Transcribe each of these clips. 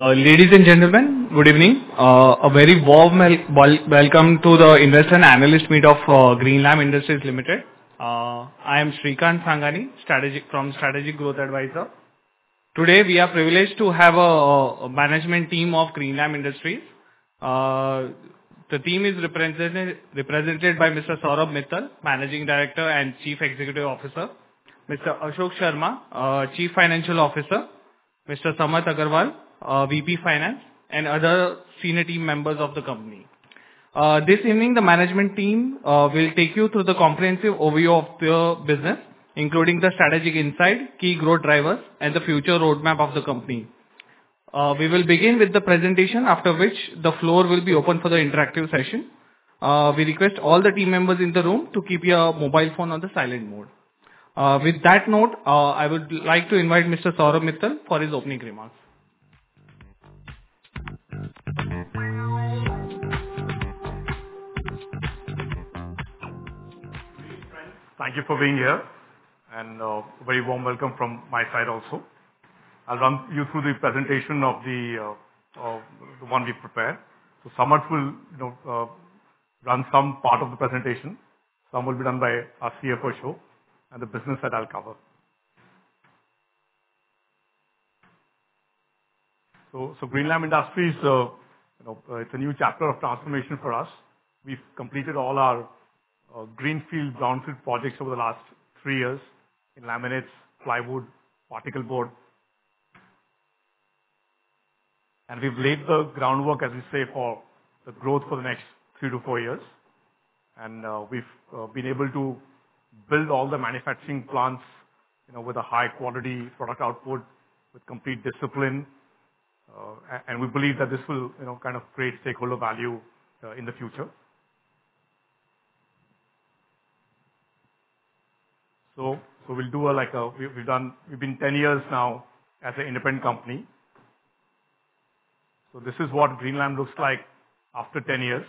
Ladies and gentlemen, good evening. A very warm welcome to the investor and analyst meet of Greenlam Industries Limited. I am Shrikant Sangani from Strategic Growth Advisor. Today we are privileged to have a management team of Greenlam Industries. The team is represented by Mr. Saurabh Mittal. Mittal, Managing Director and Chief Executive Officer, Mr. Ashok Sharma, Chief Financial Officer, Mr. Samarth Agarwal, Vice President, Finance, and other senior team members of the company. This evening the management team will take you through the comprehensive overview of the business including the strategic insight, key growth drivers, and the future roadmap of the company. We will begin with the presentation after. this, the floor will be open for the interactive session. We request all the team members in the room to keep your mobile phone silent. On the silent mode. With that note, I would like to invite Mr. Saurabh Mittal for his opening remarks. Thank you for being here and very warm welcome from my side also. I'll run you through the presentation of the one we prepared. Samarth will run some part of the presentation. Some will be done by our CFO Ashok and the business that I'll cover. Greenlam Industries, it's a new chapter of transformation for us. We've completed all our greenfield and brownfield projects over the last three years in laminates, plywood, particle, and we've laid the groundwork as we say for the growth for the next three to four years. We've been able to build all the manufacturing plants with a high quality product output with complete discipline. We believe that this will create stakeholder value in the future. We've done, we've been 10 years now as an independent company. This is what Greenlam looks like after 10 years.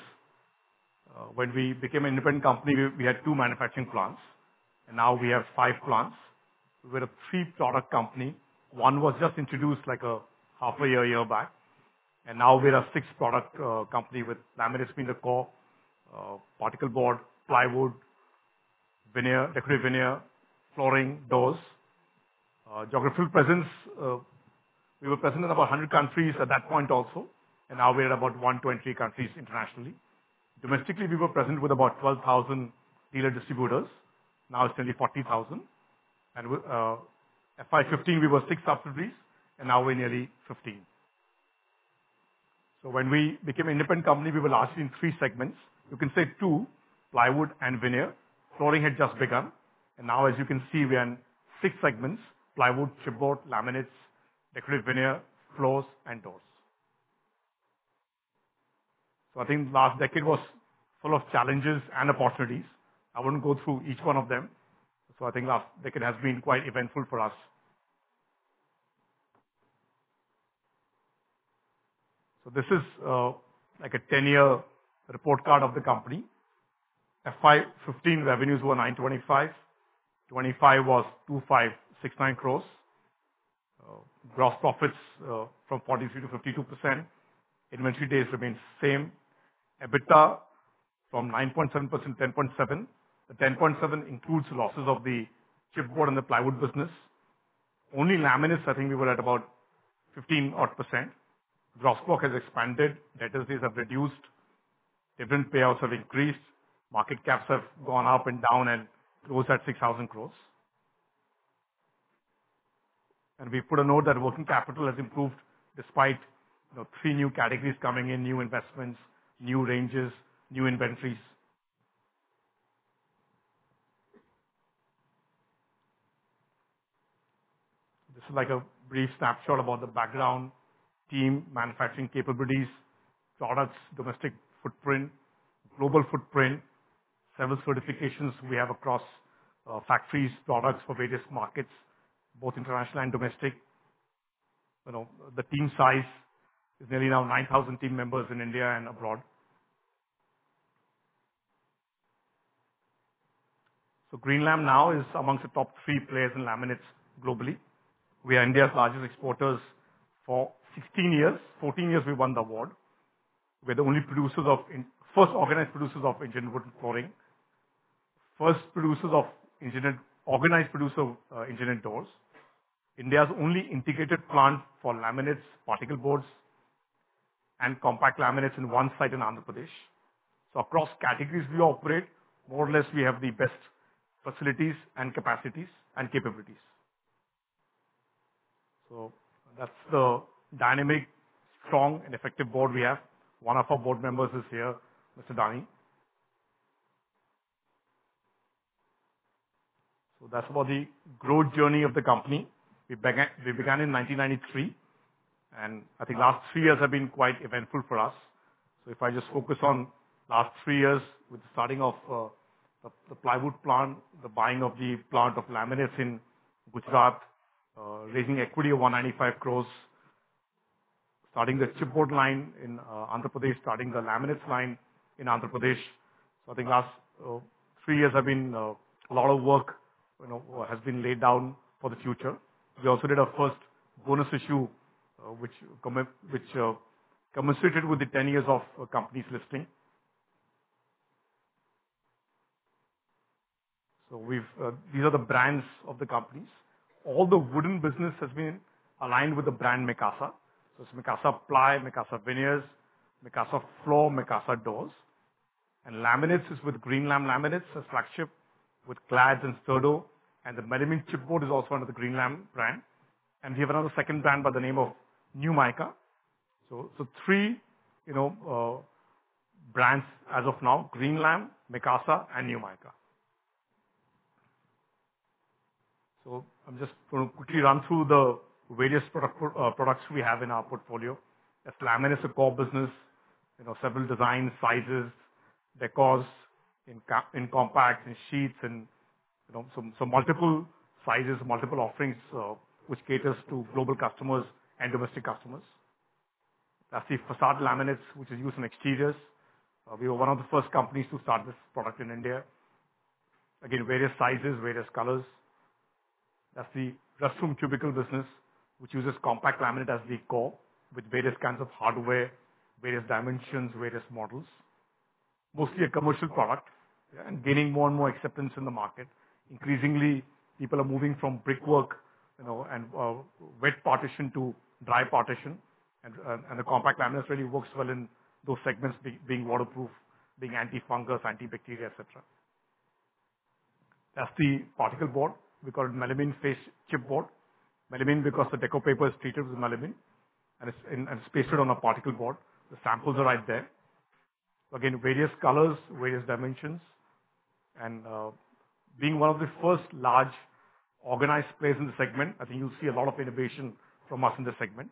When we became an independent company we had two manufacturing plants and now we have five plants. We're a three product company. One was just introduced like a half a year back and now we're a fixed product company with laminates, spindle, core, particle board, plywood, veneer, liquid veneer, flooring, doors, geographical presence. We were present in about 100 countries at that point also and now we're at about 123 countries internationally. Domestically we were present with about 12,000 dealer distributors. Now it's nearly 40,000 and FY 2015. We were six subsidiaries and now we're nearly 15. When we became an independent company we were lasting three segments. You can save two. Plywood and veneer flooring had just begun and now as you can see we are in six segments. Plywood, chipboard, laminates, decorative veneer, floors, and doors. I think last decade was full of challenges and opportunities. I wouldn't go through each one of them. I think last decade has been quite eventful for us. This is like a 10 year report card of the company. FY 2015 revenues were 925 crore. FY 2025 was 2,569 crore. Gross profits from 43% to 52%. Inventory days remain same. EBITDA from 9.7% to 10.7%. The 10.7% includes losses of the chipboard and the plywood business. Only laminates I think we were at about 15% odd. ROCE has expanded. Debtor days have reduced, dividend payouts have increased. Market caps have gone up and down and rose at 6,000 crore. We put a note that working capital has improved despite three new categories coming in. New investments, new ranges, new inventories. This is like a brief snapshot about the background. Team manufacturing capabilities, products, domestic footprint, global footprint, several certifications we have across factories, products for various markets both international and domestic. The team size is nearly now 9,000 team members in India and abroad. Greenlam now is amongst the top three players in laminates globally. We are India's largest exporters for 16 years, 14 years we won the award. We're the only producers, first organized producers of engineered wood, flooring. First producers of engineered, organized producer, engineered doors. India's only integrated plant for laminates, particle boards, and compact laminates in one site in Andhra Pradesh. Across categories we operate more or less. We have the best facilities and capacities and capabilities. That's the dynamic, strong, and effective board we have. One of our board members is here, Mr. Dani. That's about the growth journey of the company. We began in 1993 and I think last three years have been quite eventful for us. If I just focus on last three years with the starting of the plywood plant, the buying of the plant of laminates in Gujarat, raising equity of 195 crores, starting the chipboard line in Andhra Pradesh, starting the laminates line in Andhra Pradesh. I think last three years have been a lot of work has been laid down for the future. We also did our first bonus issue which commensurated with the 10 years of company's listing. These are the brands of the company. All the wooden business has been aligned with the brand Mikasa. It's Mikasa Ply, Mikasa Veneers, Mikasa Floor, Mikasa Doors, and laminates is with Greenlam laminates as flagship with Clads and Sturdo. The melamine chipboard is also under the Greenlam brand. We have another second brand by the name of NewMika. Three brands as of now, Greenlam, Mikasa, and NewMika. I'm just going to quickly run through the various products we have in our portfolio, a laminates support business. Several designs, sizes, decors in compacts and sheets, and multiple sizes, multiple offerings which caters to global customers and domestic customers. That's the facade laminates which is used in exteriors. We were one of the first companies to start this product in India. Again, various sizes, various colors. That's the custom cubicle business, which uses compact laminate as the core with various kinds of hardware, various dimensions, various models, mostly a commercial product and gaining more and more acceptance in the market. Increasingly, people are moving from brickwork and wet partition to dry partition. The compact laminates really work well in those segments, being waterproof, being antifungal, antibacterial, etc. That's the particle board. We call it melamine face chipboard. Melamine because the deco paper is treated with melamine and placed on a particle board. The samples are right there. Again, various colors, various dimensions. Being one of the first large organized players in the segment, I think you'll see a lot of innovation from us in this segment.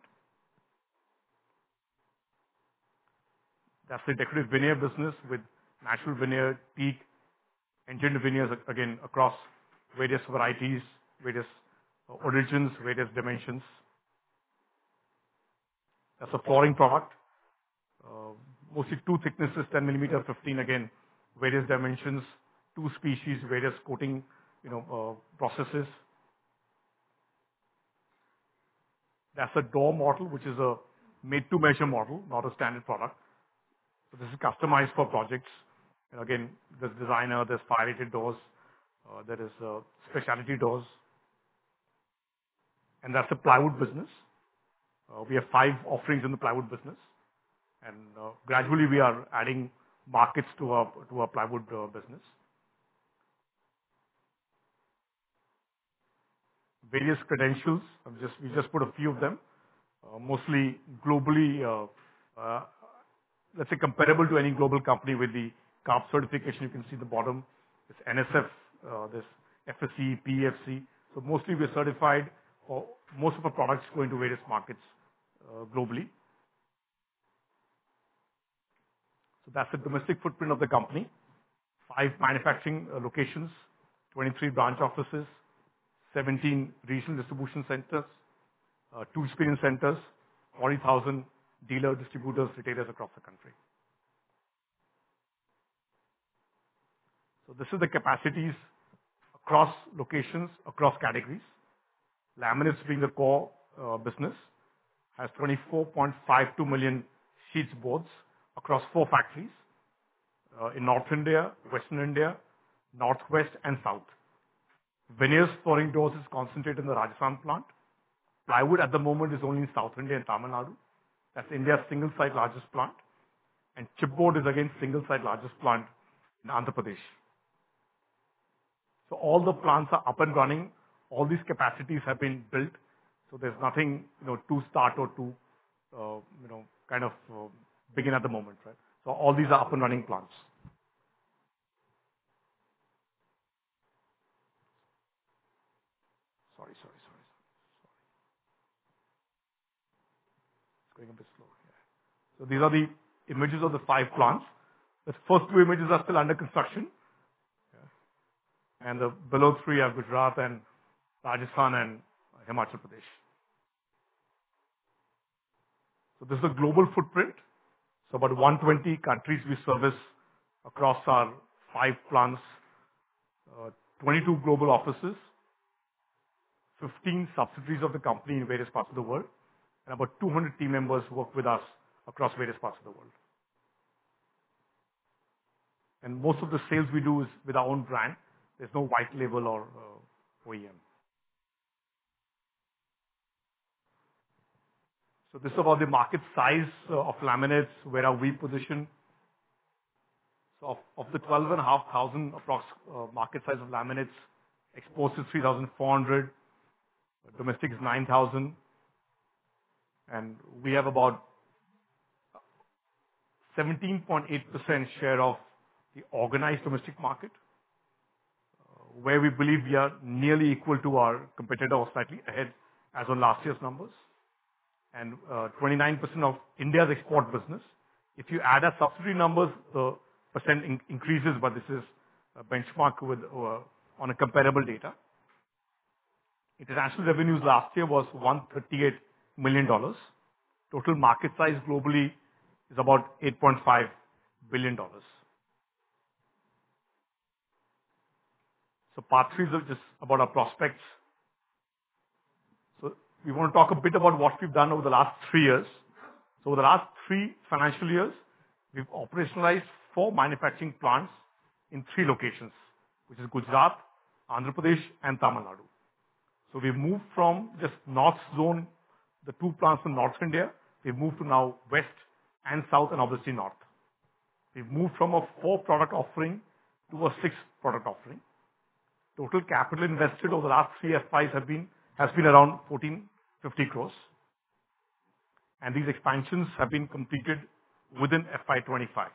That's the decorative veneer business with natural veneer, peak engineered veneers. Again, across various varieties, various origins, various dimensions as a pouring product, mostly two thicknesses, 10 mm, 15 mm. Again, various dimensions, two species, various coating processes. That's a door model, which is a made to measure model, not a standard product. This is customized for projects. Again, there's designer, there's fire rated doors, there are specialty doors, and that's the plywood business. We have five offerings in the plywood business and gradually we are adding markets to our plywood business. Various credentials, we just put a few of them. Mostly globally, let's say comparable to any global company with the CARB certification. You can see the bottom. There's NSF, there's FSC, PEFC. Mostly we're certified or most of our products go into various markets globally. That's the domestic footprint of the company: five manufacturing locations, 23 branch offices, 17 regional distribution centers, two screening centers, 40,000 dealer distributors, retailers across the country. These are the capacities across locations, across categories. Laminate, being the core business, has 24.52 million sheets boards across four factories in North India, Western India, Northwest, and South. Veneer, flooring, doors is concentrated in the Rajasthan plant. Plywood at the moment is only in South India and Tamil Nadu. That's India's single site largest plant. Chipboard is again single site largest plant in Andhra Pradesh. All the plants are up and running, all these capacities have been built. There's nothing to start or to kind of begin at the moment. Right, so all these are up and running plants. These are the images of the five plants. The first two images are still under construction and the below three are Gujarat and Rajasthan and Himachal Pradesh. This is a global footprint. About 120 countries we service across our five plants. 22 global offices, 15 subsidiaries of the company in various parts of the world, and about 200 team members work with us across various parts of the world. Most of the sales we do is with our own brand. There's no white label or OEM. This is about the market size of laminates. Where are we positioned of the 12,500? Approximate market size of laminates exposed is 3,400. Domestic is 9,000. We have about 17.8% share of the organized domestic market where we believe we are nearly equal to our competitor as on last year's numbers and 29% of India's export business. If you add our subsidiary numbers, the percent increases, but this is a benchmark on a comparable data. International revenues last year was $138 million. Total market size globally is about $8.5 billion. Part three is just about our prospects. We want to talk a bit about what we've done over the last three years. The last three financial years we've operationalized four manufacturing plants in three locations, which is Gujarat, Andhra Pradesh, and Tamil Nadu. We've moved from just north zone. The two plants from North India we've moved to now west and south and obviously North. We've moved from a four product offering to a six product offering. Total capital invested over the last three FIs has been around 1,450 crores. These expansions have been completed within FY 2025.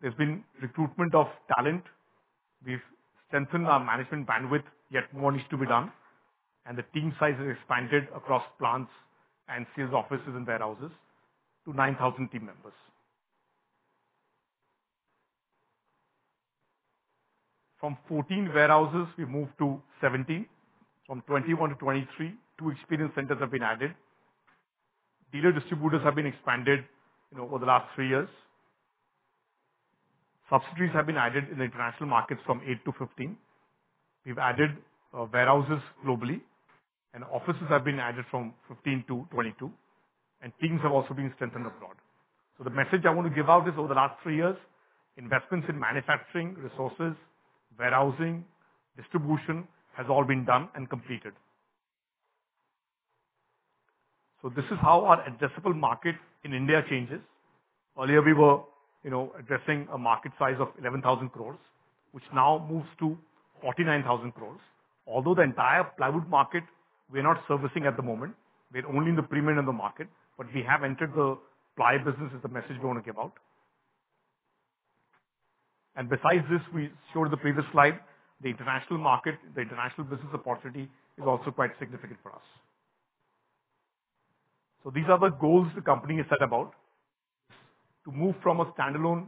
There's been recruitment of talent, we've strengthened our management bandwidth, yet more needs to be done. The team size has expanded across plants and sales offices and warehouses to 9,000 team members. From 14 warehouses we moved to 17. From 2021 to 2023. Two experience centers have been added. Dealer distributors have been expanded over the last three years. Subsidiaries have been added in the international markets from 2008 to 2015, we've added warehouses globally and offices have been added from 2015 to 2022. Teams have also been strengthened abroad. The message I want to give out is over the last three years, investments in manufacturing, resources, warehousing, distribution has all been done and completed. This is how our addressable market in India changes. Earlier we were, you know, addressing a market size of 11,000 crores, which now moves to 49,000 crores. Although the entire plywood market we're not servicing at the moment, we're only in the premium in the market. We have entered the ply business is the message we want to give out. Besides this, we showed the previous slide, the international market, the international business opportunity is also quite significant for us. These are the goals the company has set about to move from a standalone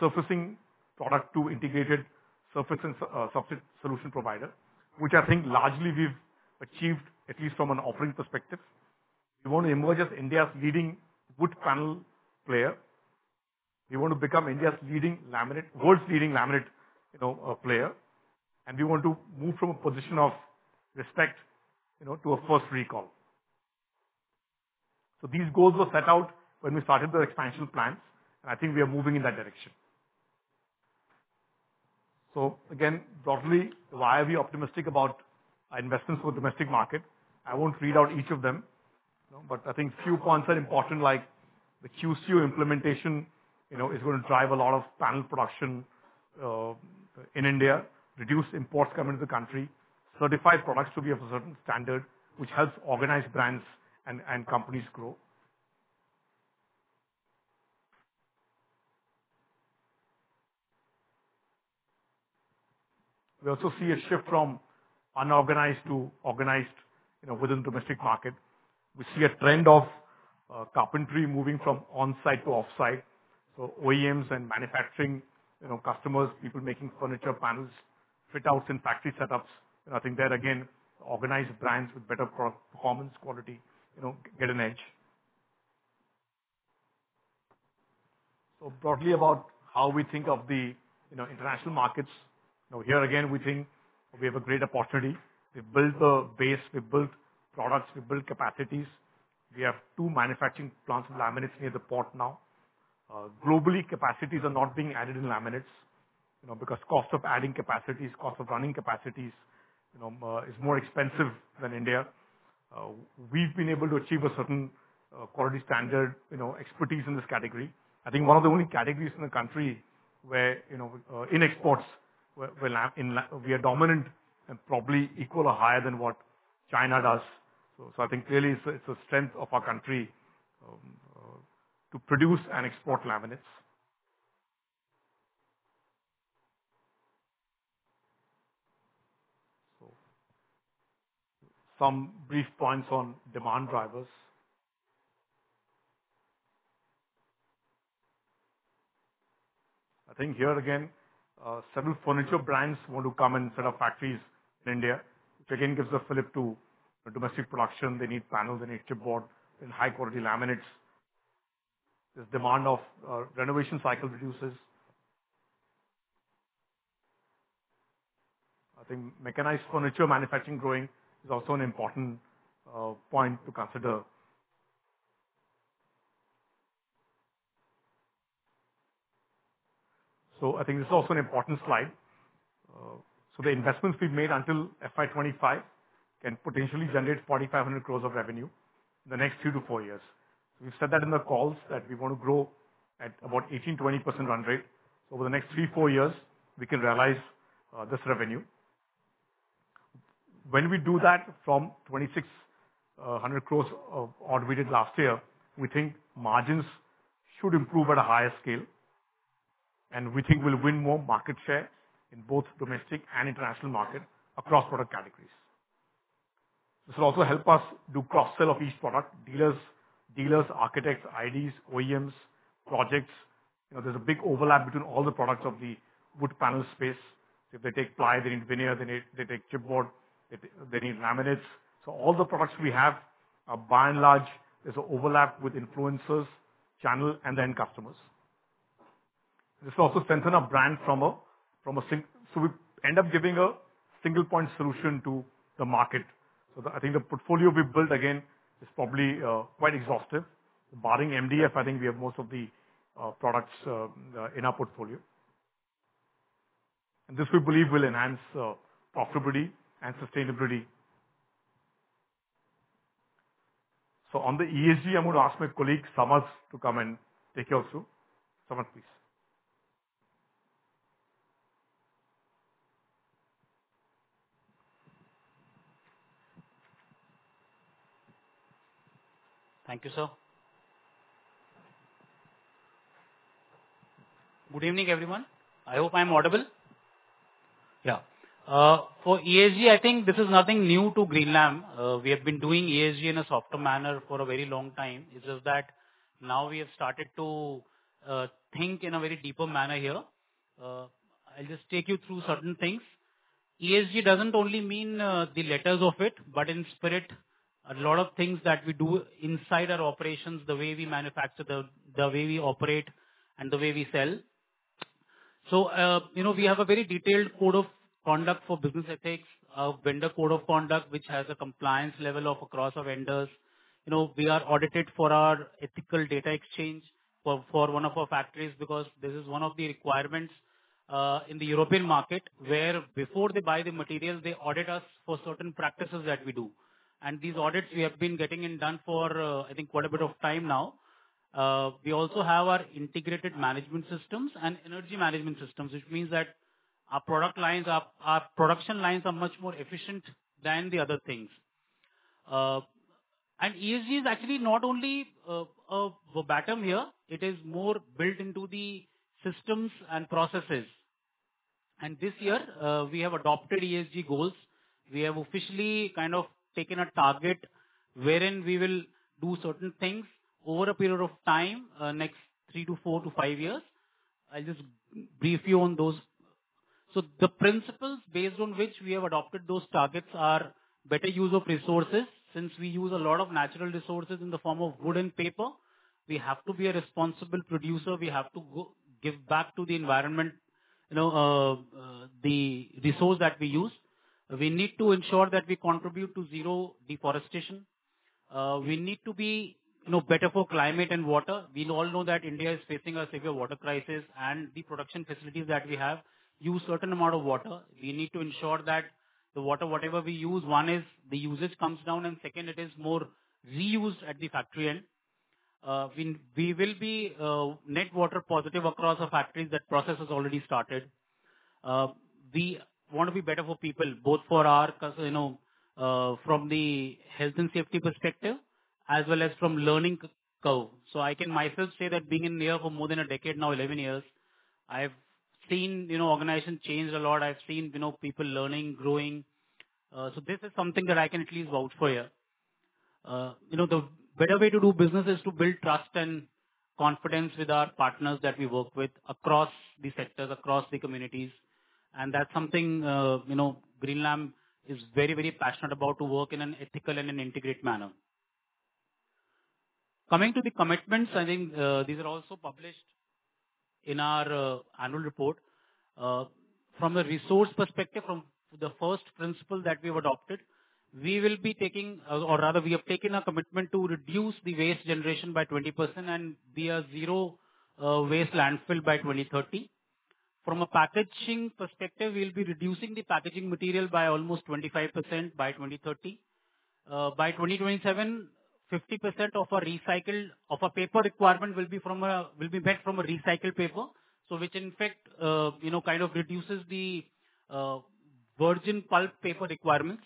surfacing product to integrated surface and subsidy solution provider, which I think largely we've achieved, at least from an offering perspective. We want to emerge as India's leading wood panel player. We want to become India's leading laminate, world's leading laminate, you know, player. We want to move from a position of respect, you know, to a first recall. These goals were set out when we started the expansion plans and I think we are moving in that direction. Broadly, why are we optimistic about investments for domestic market? I won't read out each of them, but I think few points are important. Like the QCU implementation is going to drive a lot of panel production in India, reduce imports coming to the country, certifies products to be of a certain standard which helps organized brands and companies grow. We also see a shift from unorganized to organized within domestic market. We see a trend of carpentry moving from on site to off site OEMs and manufacturing customers, people making furniture panels fit outs in factory setups. I think they're again organized brands with better performance quality get an edge. Broadly about how we think of the international markets, now here again we think we have a great opportunity. We've built a base, we built products, we built capacities. We have two manufacturing plants of laminates near the port. Now globally capacities are not being added in laminates because cost of adding capacities, cost of running capacities is more expensive than India. We've been able to achieve a certain quality standard, you know, expertise in this category, I think one of the only categories in the country where, you know, in exports we are dominant and probably equal or higher than what China does. I think clearly it's a strength of our country to produce and export laminates. Some brief points on demand drivers. I think here again several furniture brands want to come and set up factories in India, which again gives a flip to domestic production. They need panels and extra board in high quality laminates. This demand of renovation cycle reduces. I think mechanized furniture manufacturing growing is also an important point to consider. I think this is also an important slide. The investments we made until FY 2025 can potentially generate 4,500 crore of revenue in the next three to four years. We've said that in the calls that we want to grow at about 18%-20% run rate over the next three, four years. We can realize this revenue when we do that from 2,600 crore we did last year. We think margins should improve at a higher scale, and we think we'll win more market share in both domestic and international market across product categories. This will also help us do cross sell of each product. Dealers, dealers, architects, IDs, OEMs, projects. There's a big overlap between all the products of the wood panel space. If they take plywood, they need veneers. They take chipboard, they need laminates. All the products we have, by and large, there's an overlap with influencers channel and then customers. This also strengthens our brand. We end up giving a single point solution to the market. I think the portfolio we build again is probably quite exhaustive. Barring MDF, I think we have most of the products in our portfolio. This we believe will enhance profitability and sustainability. On the ESG, I'm going to ask my colleague Samarth to come and take you through. Samarth, please. Thank you, sir. Good evening, everyone. I hope I'm audible. Yeah. For ESG, I think this is nothing new to Greenlam. We have been doing ESG in a softer manner for a very long time. It's just that now we have started to think in a very deeper manner here. I'll just take you through certain things. ESG doesn't only mean the letters of it, but in spirit. A lot of things that we do inside our operations, the way we manufacture, the way we operate, and the way we sell. We have a very detailed code of conduct for business ethics, a vendor code of conduct which has a compliance level across our vendors. We are audited for our ethical data exchange for one of our factories because this is one of the requirements in the European market where before they buy the material, they audit us for certain practices that we do. These audits we have been getting done for quite a bit of time now. We also have our integrated management systems and energy management systems, which means that our production lines are much more efficient than the other things. ESG is actually not only a verbatim here, it is more built into the systems and processes. This year we have adopted ESG goals. We have officially kind of taken a target wherein we will do certain things over a period of time, next three to four to five years. I'll just brief you on those. The principles based on which we have adopted those targets are better use of resources. Since we use a lot of natural resources in the form of wood and paper, we have to be a responsible producer. We have to give back to the environment the resource that we use. We need to ensure that we contribute to zero deforestation. We need to be better for climate and water. We all know that India is facing a severe water crisis and the production facilities that we have use certain amount of water. We need to ensure that the water, whatever we use, one is the usage comes down and second, it is more reused at the factory end when we will be net water positive across our factories. That process has already started. We want to be better for people, both for our customer, from the health and safety perspective as well as from learning curve. I can myself say that being in NIO for more than a decade now, 11 years, I've seen organizations change a lot. I've seen people learning, growing. This is something that I can at least vouch for here. The better way to do business is to build trust and confidence with our partners that we work with across the sectors, across the communities. That's something Greenlam is very, very passionate about. To work in an ethical and an integrated manner coming to the commitments. I think these are also published in our annual report. From a resource perspective, from the first principle that we have adopted, we will be taking, or rather we have taken a commitment to reduce the waste generation by 20% and be a zero waste to landfill by 2030. From a packaging perspective, we'll be reducing the packaging material by almost 25% by 2030. By 2027, 50% of our paper requirement will be from recycled paper, which in fact, you know, kind of reduces the virgin pulp paper requirements.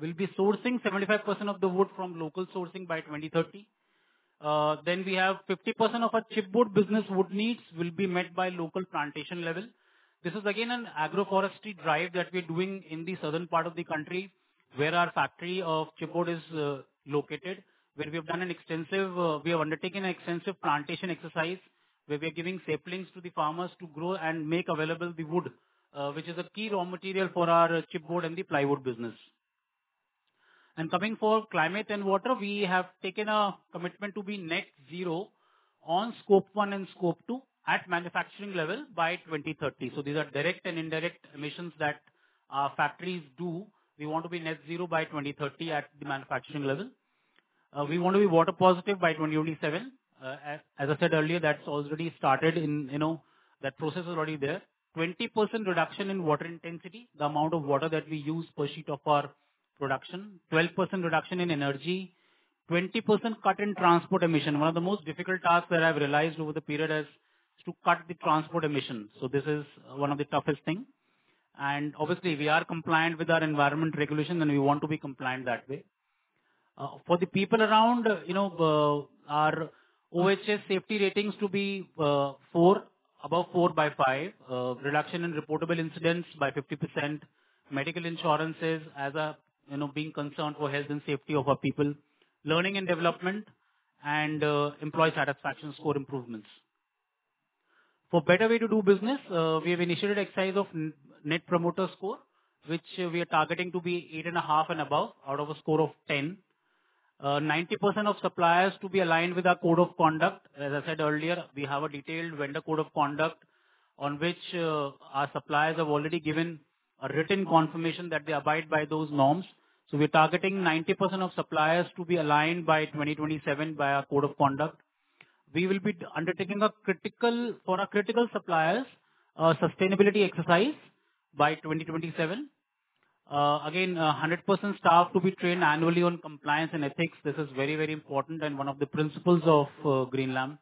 We'll be sourcing 75% of the wood from local sourcing by 2030. Then we have 50% of our chipboard business wood needs will be met by local plantation level. This is again an agroforestry drive that we're doing in the southern part of the country where our factory of chipboard is located, where we have undertaken an extensive plantation exercise where we are giving saplings to the farmers to grow and make available the wood which is a key raw material for our chipboard and the plywood business. For climate and water, we have taken a commitment to be net zero on scope one and scope two at manufacturing level by 2030. These are direct and indirect emissions that factories do. We want to be net zero by 2030 at the manufacturing level. We want to be water positive by 2027. As I said earlier, that's already started, you know, that process is already there. 20% reduction in water intensity, the amount of water that we use per sheet of our production. 12% reduction in energy. 20% cut in transport emission. One of the most difficult tasks that I've realized over the period is to cut the transport emission. This is one of the toughest things and obviously we are compliant with our environment regulation and we want to be compliant that way. For the people around, you know, our OHS safety ratings to be 4 above 4/5, reduction in reportable incidents by 50%. Medical insurances as a, you know, being concerned for health and safety of our people, learning and development and employee satisfaction score improvements for better way to do business. We have initiated exercise of net promoter score which we are targeting to be 8.5 and above out of a score of 10, 90% of suppliers to be aligned with our code of conduct. As I said earlier, we have a detailed vendor code of conduct on which our suppliers have already given a written confirmation that they abide by those norms. We are targeting 90% of suppliers to be aligned by 2027 by our code of conduct. We will be undertaking a critical or a critical suppliers sustainability exercise by 2027. Again, 100 staff to be trained annually on compliance and ethics. This is very, very important and one of the principles of Greenlam.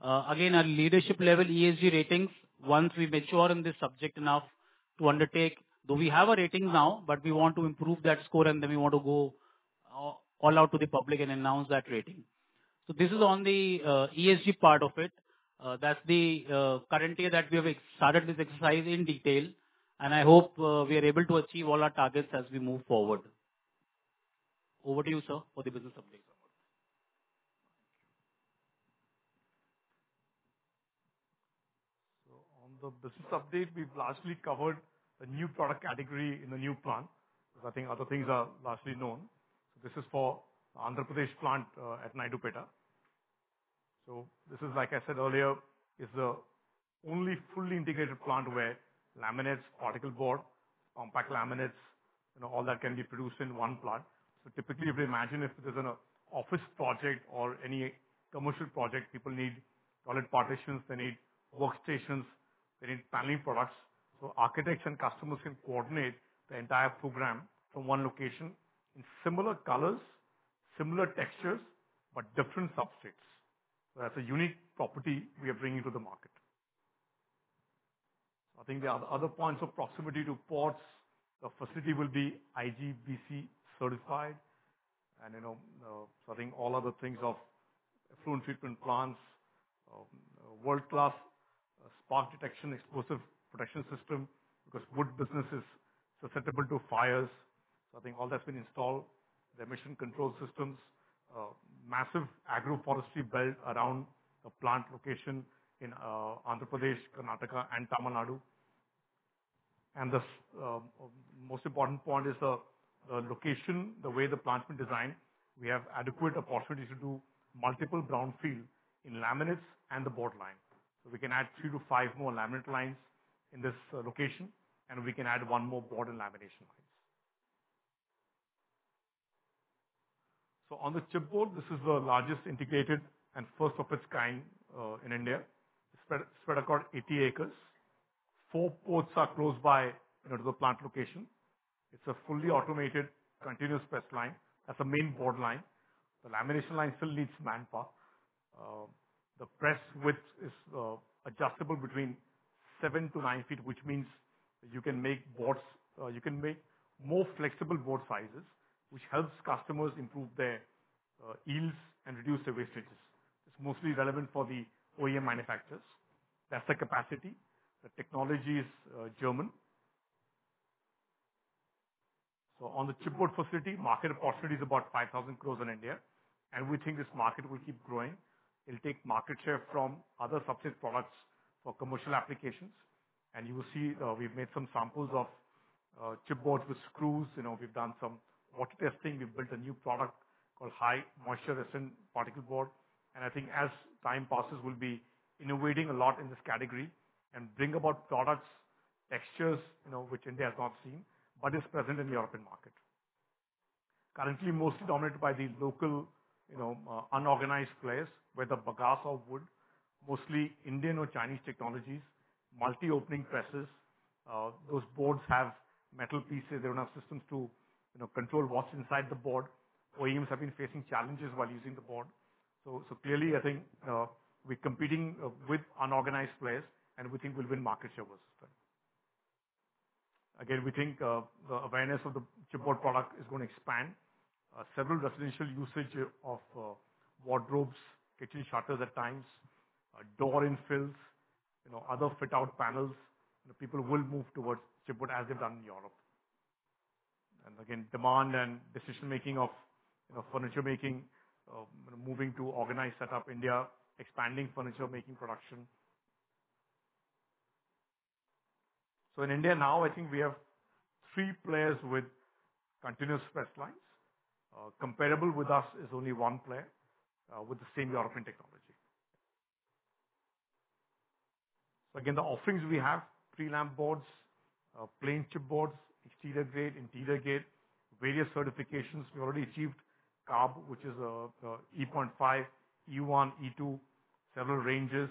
Again, our leadership level ESG ratings. Once we mature in this subject enough to undertake though, we have a rating now, but we want to improve that score and then we want to go all out to the public and announce that rating. This is on the ESG part of it. That's the current year that we have started this exercise in detail and I hope we are able to achieve all our targets as we move forward. Over to you, sir, for the business update. On the business update, we've largely covered a new product category in the new plant because I think other things are largely known. This is for the Andhra Pradesh plant at Naidupeta. Like I said earlier, this is the only fully integrated plant where laminates, chipboard, compact laminates, and all that can get produced in one plant. Typically, if we imagine there's an office project or any commercial project, people need toilet partitions, they need workstations, paneling products. Architects and customers can coordinate the entire program from one location in similar colors, similar textures, but different substrates. That's a unique property we are bringing to the market. I think the other points of proximity to ports, the facility will be IGBC certified. All other things of effluent treatment plants, world-class spark detection, explosive protection system, because wood business is susceptible to fires, all that's been installed. Emission control systems, massive agroforestry belt around the plant location in Andhra Pradesh, Karnataka, and Tamil Nadu. The most important point is the location. The way the plant's been designed, we have adequate opportunities to do multiple brownfield in laminates and the borderline. We can add three to five more laminate lines in this location and we can add one more broader lamination line. On this chipboard, this is the largest integrated and first of its kind in India, spread across 80 acres. Four ports are close by to the plant location. It's a fully automated continuous press line. As a main board line, the lamination line still needs manpower. The press width is adjustable between 7 ft-9 ft., which means you can make boards, you can make more flexible board sizes, which helps customers improve their yields and reduce their wastages. It's mostly relevant for the OEM manufacturers. That's the capacity. The technology is German. On the chipboard facility, market opportunity is about 5,000 crores in India. We think this market will keep growing. It will take market share from other subsidized products for commercial applications. You will see we've made some samples of chipboards with screws. We've done some water testing. We've built a new product called high moisturisen particle board. I think as time passes we'll be innovating a lot in this category and bring about products, textures which India has not seen but is present in the European market, currently mostly dominated by the local unorganized players. Whether bagasse or wood, mostly Indian or Chinese technologies, multi opening presses, those boards have metal pieces. They don't have systems to control what's inside the board. OEMs have been facing challenges while using the board. Clearly, I think we're competing with unorganized players and we think we'll win market share versus them. We think the awareness of the chipboard product is going to expand. Several residential usage of wardrobes, kitchen shutters, at times door infills, other fit out panels. People will move towards chipboard as they've done in Europe. Demand and decision making of furniture making is moving to organized setup. India is expanding furniture making production. In India now I think we have three players with continuous press lines. Comparable with us is only one player with the same European technology. The offerings we have are pre-lam boards, plain chipboards, exterior grade, interior grade, various certifications. We already achieved CARB which is E5, E1, E2, several ranges.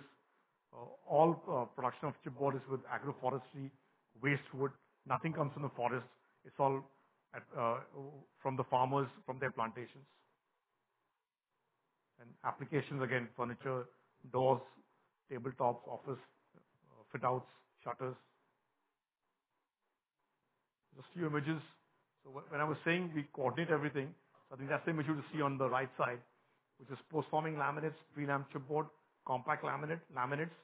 All production of chipboard is with agroforestry wastewood. Nothing comes from the forest. It's all from the farmers from their plantations. Applications again: furniture, doors, tabletops, office fit outs, shutters, just a few images. When I was saying we coordinate everything, I think that's the image you see on the right side which is post forming laminates, pre-lam chipboard, compact laminate laminates.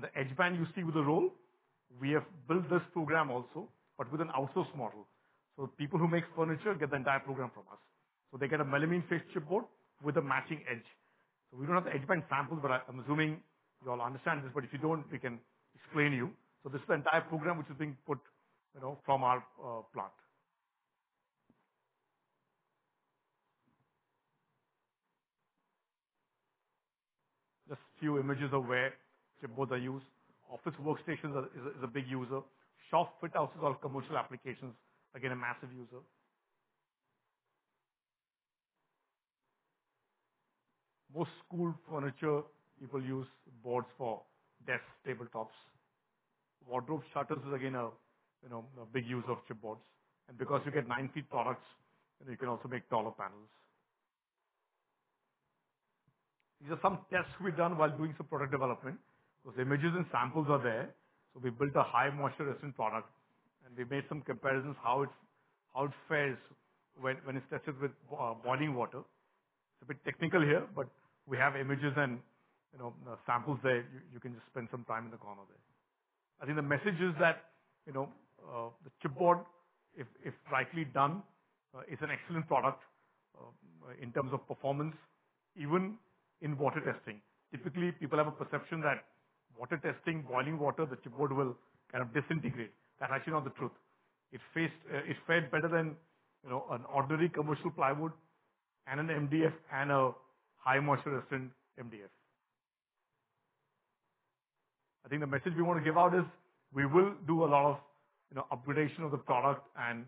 The edge band you see with the roll, we have built this program also, but with an outsourced model. People who make furniture get the entire program from us, so they get a melamine face chipboard with a matching edge. We don't have the edge band samples, but I'm assuming you all understand this. If you don't, we can explain to you. This is the entire program which is being put from our plant. Just a few images of where chipboard are used: office workstations is a big user, shop fit houses, all commercial applications, again a massive user. Most school furniture people use boards for desk tabletops. Wardrobe shutters is again a big use of chipboards, and because you get 9 ft products you can also make taller panels. These are some tests we've done while doing some product development because images and samples are there. We built a high moisture resistant product and we've made some comparisons how it fares when it's tested with boiling water. A bit technical here, but we have images and samples there. You can just spend some time in the corner there. I think the message is that the chipboard, if rightly done, is an excellent product in terms of performance, even in water testing. Typically, people have a perception that water testing, boiling water, the chipboard will kind of disintegrate. That actually not the truth. It fared better than, you know, an ordinary commercial plywood and an MDF and a high moisture resistant MDF. I think the message we want to give out is we will do a lot of upgradation of the product and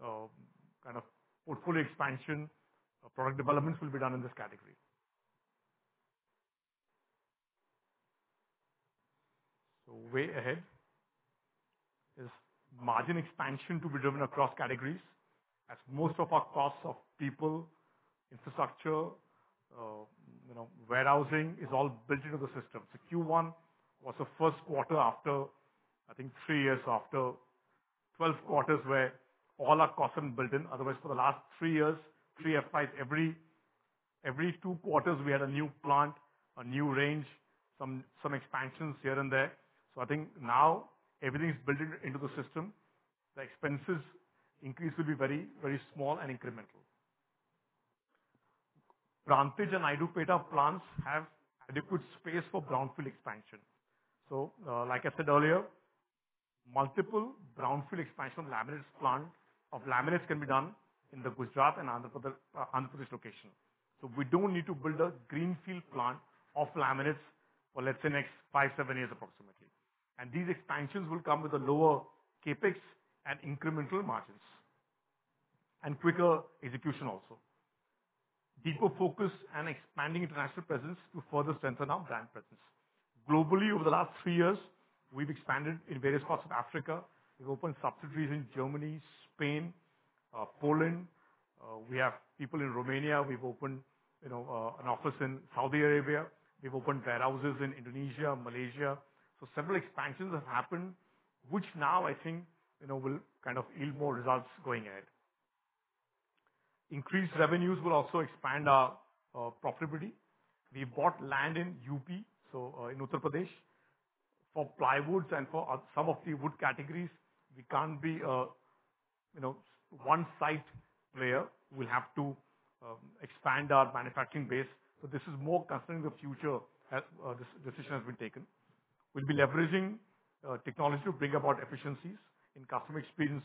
kind of portfolio expansion. Product developments will be done in this category. The way ahead is margin expansion to be driven across categories as most of our costs of people, infrastructure, warehousing is all built into the system. Q1 was the first quarter after, I think, three years after 12 quarters where all are costed and built in. Otherwise, for the last three years, every two quarters we had a new plant, a new range, some expansions here and there. I think now everything is built into the system. The expenses increase will be very, very small and incremental. Rantage and Idupeta plants have adequate space for brownfield expansion. Like I said earlier, multiple brownfield expansion laminates plant of laminates can be done in the Gujarat and Andhra Pradesh location. We don't need to build a greenfield plant of laminates for, let's say, next five, seven years approximately. These expansions will come with a lower CapEx and incremental margins and quicker execution. Also, deep focus and expanding international presence will further strengthen our brand presence globally. Over the last three years, we've expanded in various parts of Africa. We've opened subsidiaries in Germany, Spain, Poland, we have people in Romania, we've opened an office in Saudi Arabia, we've opened warehouses in Indonesia, Malaysia. Several expansions have happened which now, I think, will kind of yield more results going ahead. Increased revenues will also expand our profitability. We bought land in UP, so in Uttar Pradesh for plywoods and for some of the wood categories. We can't be, you know, one sized player. We'll have to expand our manufacturing base. This is more concerning the future as this decision has been taken. We'll be leveraging technology to bring about efficiencies in customer experience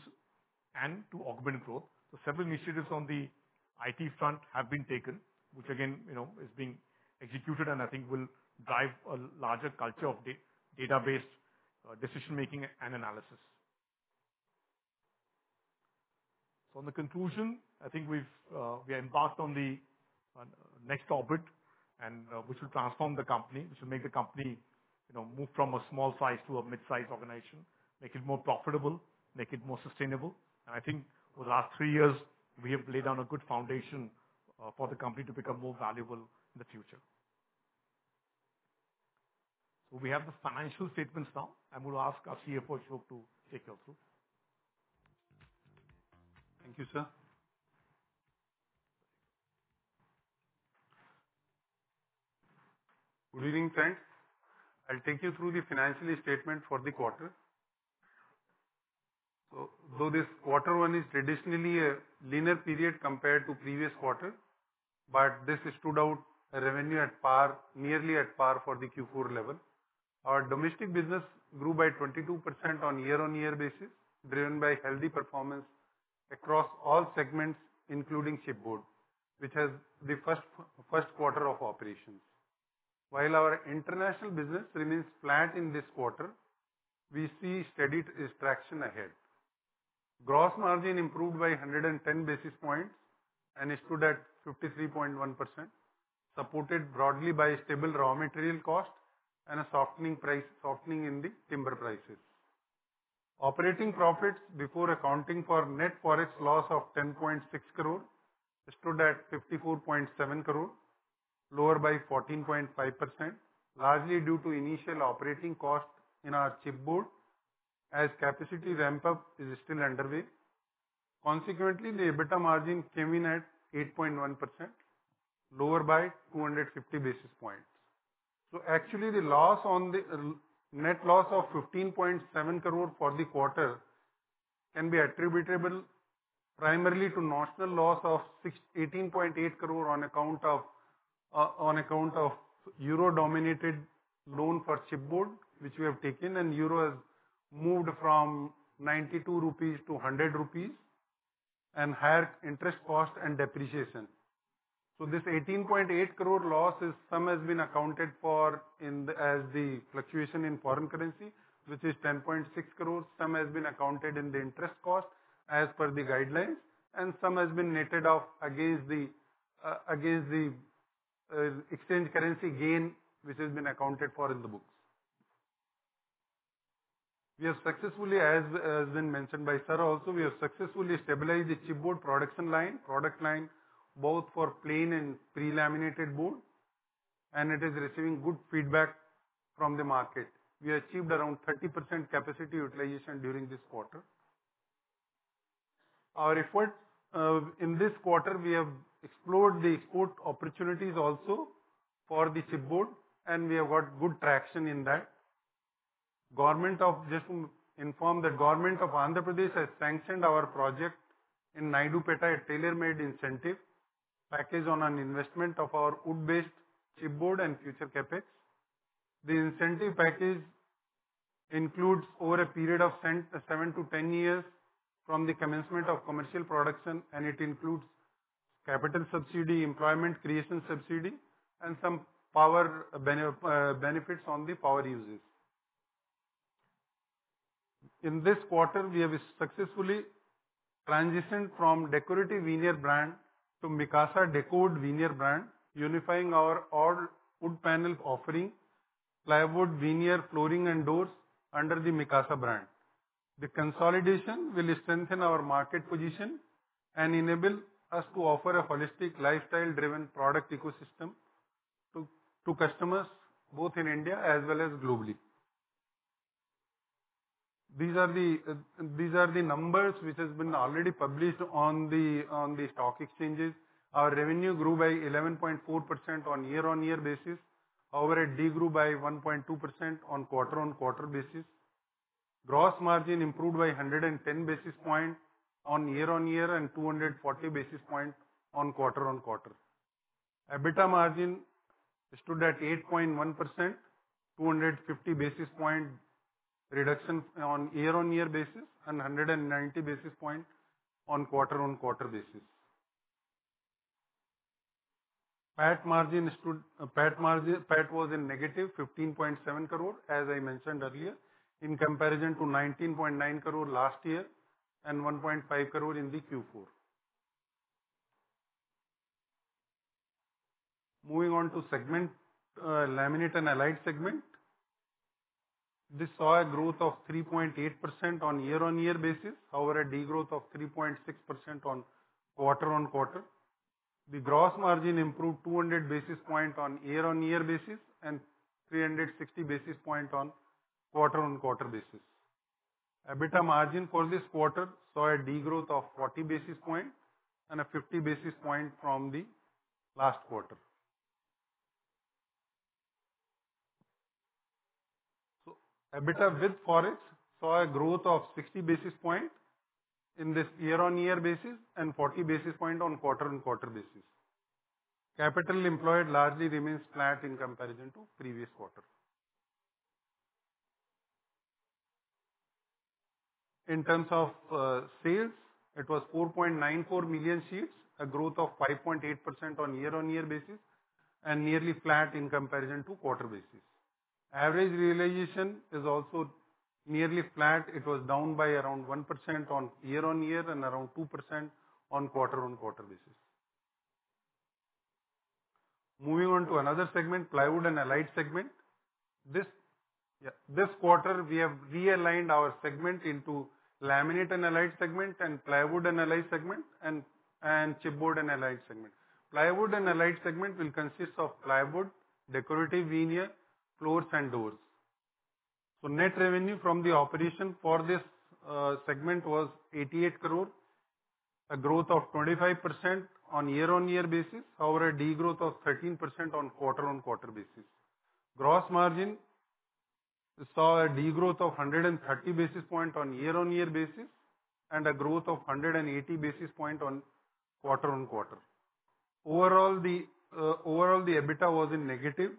and to augment growth. Several initiatives on the IT front have been taken, which again you know is being executed, and I think will drive a larger culture of data-based decision making and analysis. In conclusion, I think we've embarked on the next orbit, which will transform the company, which will make the company move from a small size to a mid-sized organization, make it more profitable, make it more sustainable, and I think over the last three years we have laid down a good foundation for the company to become more valuable in the future. We have the financial statements now. I'm going to ask our CFO Ashok Sharma to take you through. Thank you, sir. Good evening friends. I'll take you through the financial statement for the quarter. Though this quarter one is traditionally a linear period compared to previous quarter, this stood out. Revenue at par, nearly at par for the Q4 level. Our domestic business grew by 22% on year-on-year basis, driven by healthy performance across all segments including chipboard, which has been the first quarter of operations. While our international business remains flat. This quarter we see steady traction ahead. Gross margin improved by 110 basis points and stood at 53.1%, supported broadly by stable raw material cost and a softening in the timber prices. Operating profits before accounting for net forex loss of 10.6 crore stood at 54.7 crore, lower by 14.5%, largely due to initial operating cost in our chipboard as capacity ramp up is still underway. Consequently, the EBITDA margin came in at 8.1%, lower by 250 basis points. The net loss of 15.7 crore for the quarter can be attributable primarily to national loss of 18.8 crore on account of euro denominated loan for chipboard which we have taken and euro has moved from 92 rupees to 100 rupees and higher interest cost and depreciation. This 18.8 crore loss has been accounted for as the fluctuation in foreign currency, which is 10.6 crore, some has been accounted in the interest cost as per the guidelines, and some has been netted off against the exchange currency gain which has been accounted for in the books. We have successfully, as has been mentioned by Saurabh also, stabilized the chipboard production line, product line both for plain and pre-laminated board, and it is receiving good feedback from the market. We achieved around 30% capacity utilization during this quarter. Our efforts in this quarter, we have explored the quote opportunities also for the SIP board and we have got good traction in that. The government of Andhra Pradesh has sanctioned our project in Naidupeta, tailor made incentive package on an investment of our wood based chipboard and future capex. The incentive package includes over a period of seven to 10 years from the commencement of commercial production and it includes capital subsidy, employment creation subsidy, and some power benefits on the power uses. In this quarter, we have successfully transitioned from decorative veneer brand to Mikasa decoud veneer brand, unifying all our wood panel offering, plywood, veneer, flooring, and doors under the Mikasa brand. The consolidation will strengthen our market position and enable us to offer a holistic, lifestyle driven product ecosystem to customers both in India as well as globally. These are the numbers which have been already published on the stock exchanges. Our revenue grew by 11.4% on year-on-year basis, over a D group by 1.2% on quarter-on-quarter basis. Gross margin improved by 110 basis point on year-on-year and 240 basis point on quarter-on-quarter. EBITDA margin stood at 8.1%, 250 basis point reduction on year-on-year basis and 190 basis point on quarter-on-quarter basis. PAT margin stood PAT margin PAT was in negative 15.7 crore as I mentioned earlier in comparison to 19.9 crore last year and 1.5 crore in the Q4. Moving on to segment laminate and allied segment this saw a growth of 3.8% on year-on-year basis. However, a degrowth of 3.6% on quarter-on-quarter. The gross margin improved 200 basis point on year-on-year basis and 360 basis point on quarter-on-quarter basis. EBITDA margin for this quarter saw a degrowth of 40 basis point and a 50 basis point from the last quarter. EBITDA with forex saw a growth of 60 basis point in this year-on-year basis and 40 basis point on quarter-on-quarter basis. Capital employed largely remains flat in comparison. To previous quarter. In terms of sales, it was 4.94 million sheets, a growth of 5.8% on year-on-year basis and nearly flat in comparison to quarter basis. Average realization is also nearly flat. It was down by around 1% on year-on-year and around 2% on quarter-on-quarter basis. Moving on to another segment, plywood and. Allied segment this quarter we have. Realigned our segment into laminate analyzed segment and plywood analyzed segment and chipboard and allied segment. Plywood and allied segment will consist of plywood, decorative veneer, floors, and doors. Net revenue from the operation for this segment was 8.88 crore, a growth of 25% on year-on-year basis over a degrowth of 13% on quarter-on-quarter basis. Gross margin saw a degrowth of 130 basis points on year-on-year basis and a growth of 180 basis points on quarter-on-quarter. Overall, the EBITDA was in negative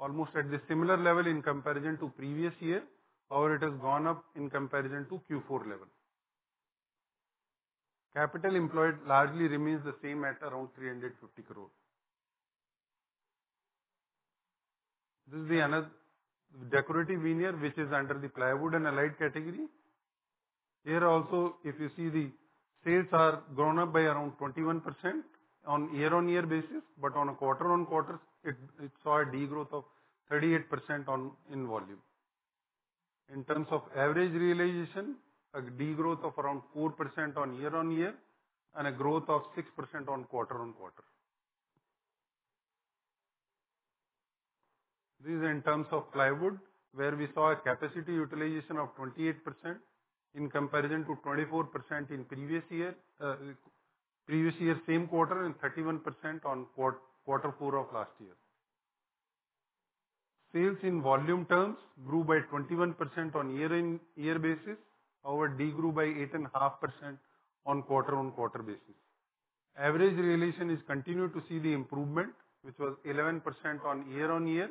almost at the similar level in comparison to previous year. However, it has gone up in comparison to Q4 level. Capital employed largely remains the same at around 350 crore. This is another decorative veneer which is under the plywood and allied category. Here also, if you see, the sales are grown up by around 21% on year-on-year basis. On a quarter-on-quarter, it saw a degrowth of 38% in volume. In terms of average realization, a degrowth of around 4% on year-on-year and a growth of 6% on quarter-on-quarter. This is in terms of plywood where we saw a capacity utilization of 28% in comparison to 24% in previous year, previous year same quarter, and 31% in quarter four of last year. Sales in volume terms grew by 21% on year-on-year basis or degrew by 8.5% on quarter-on-quarter basis. Average realization is continue to see the improvement which was 11% on year-on-year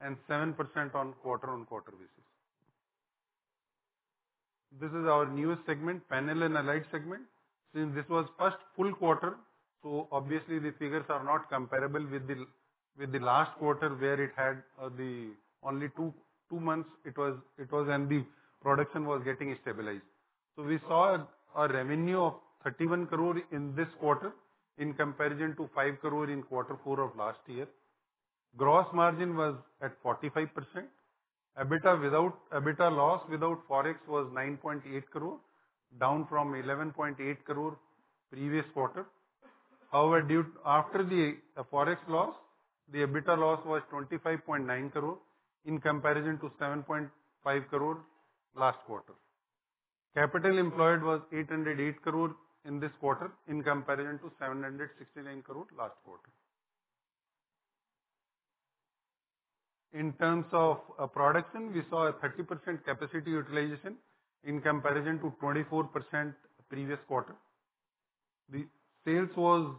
and 7% on quarter-on-quarter basis. This is our newest segment, panel and allied segment. Since this was first full quarter, the figures are not comparable with the last quarter where it had only two months and the production was getting stabilized. We saw a revenue of 31 crore in this quarter in comparison to 5 crore in quarter four of last year. Gross margin was at 45%. EBITDA loss without forex was 9.8 crore, down from 11.8 crore previous quarter. After the forex loss, the EBITDA loss was 25.9 crore in comparison to 7.5 crore last quarter. Capital employed was 808 crore in this quarter in comparison to 769 crore last quarter. In terms of production, we saw a 30% capacity utilization in comparison to 24% previous quarter. The sales was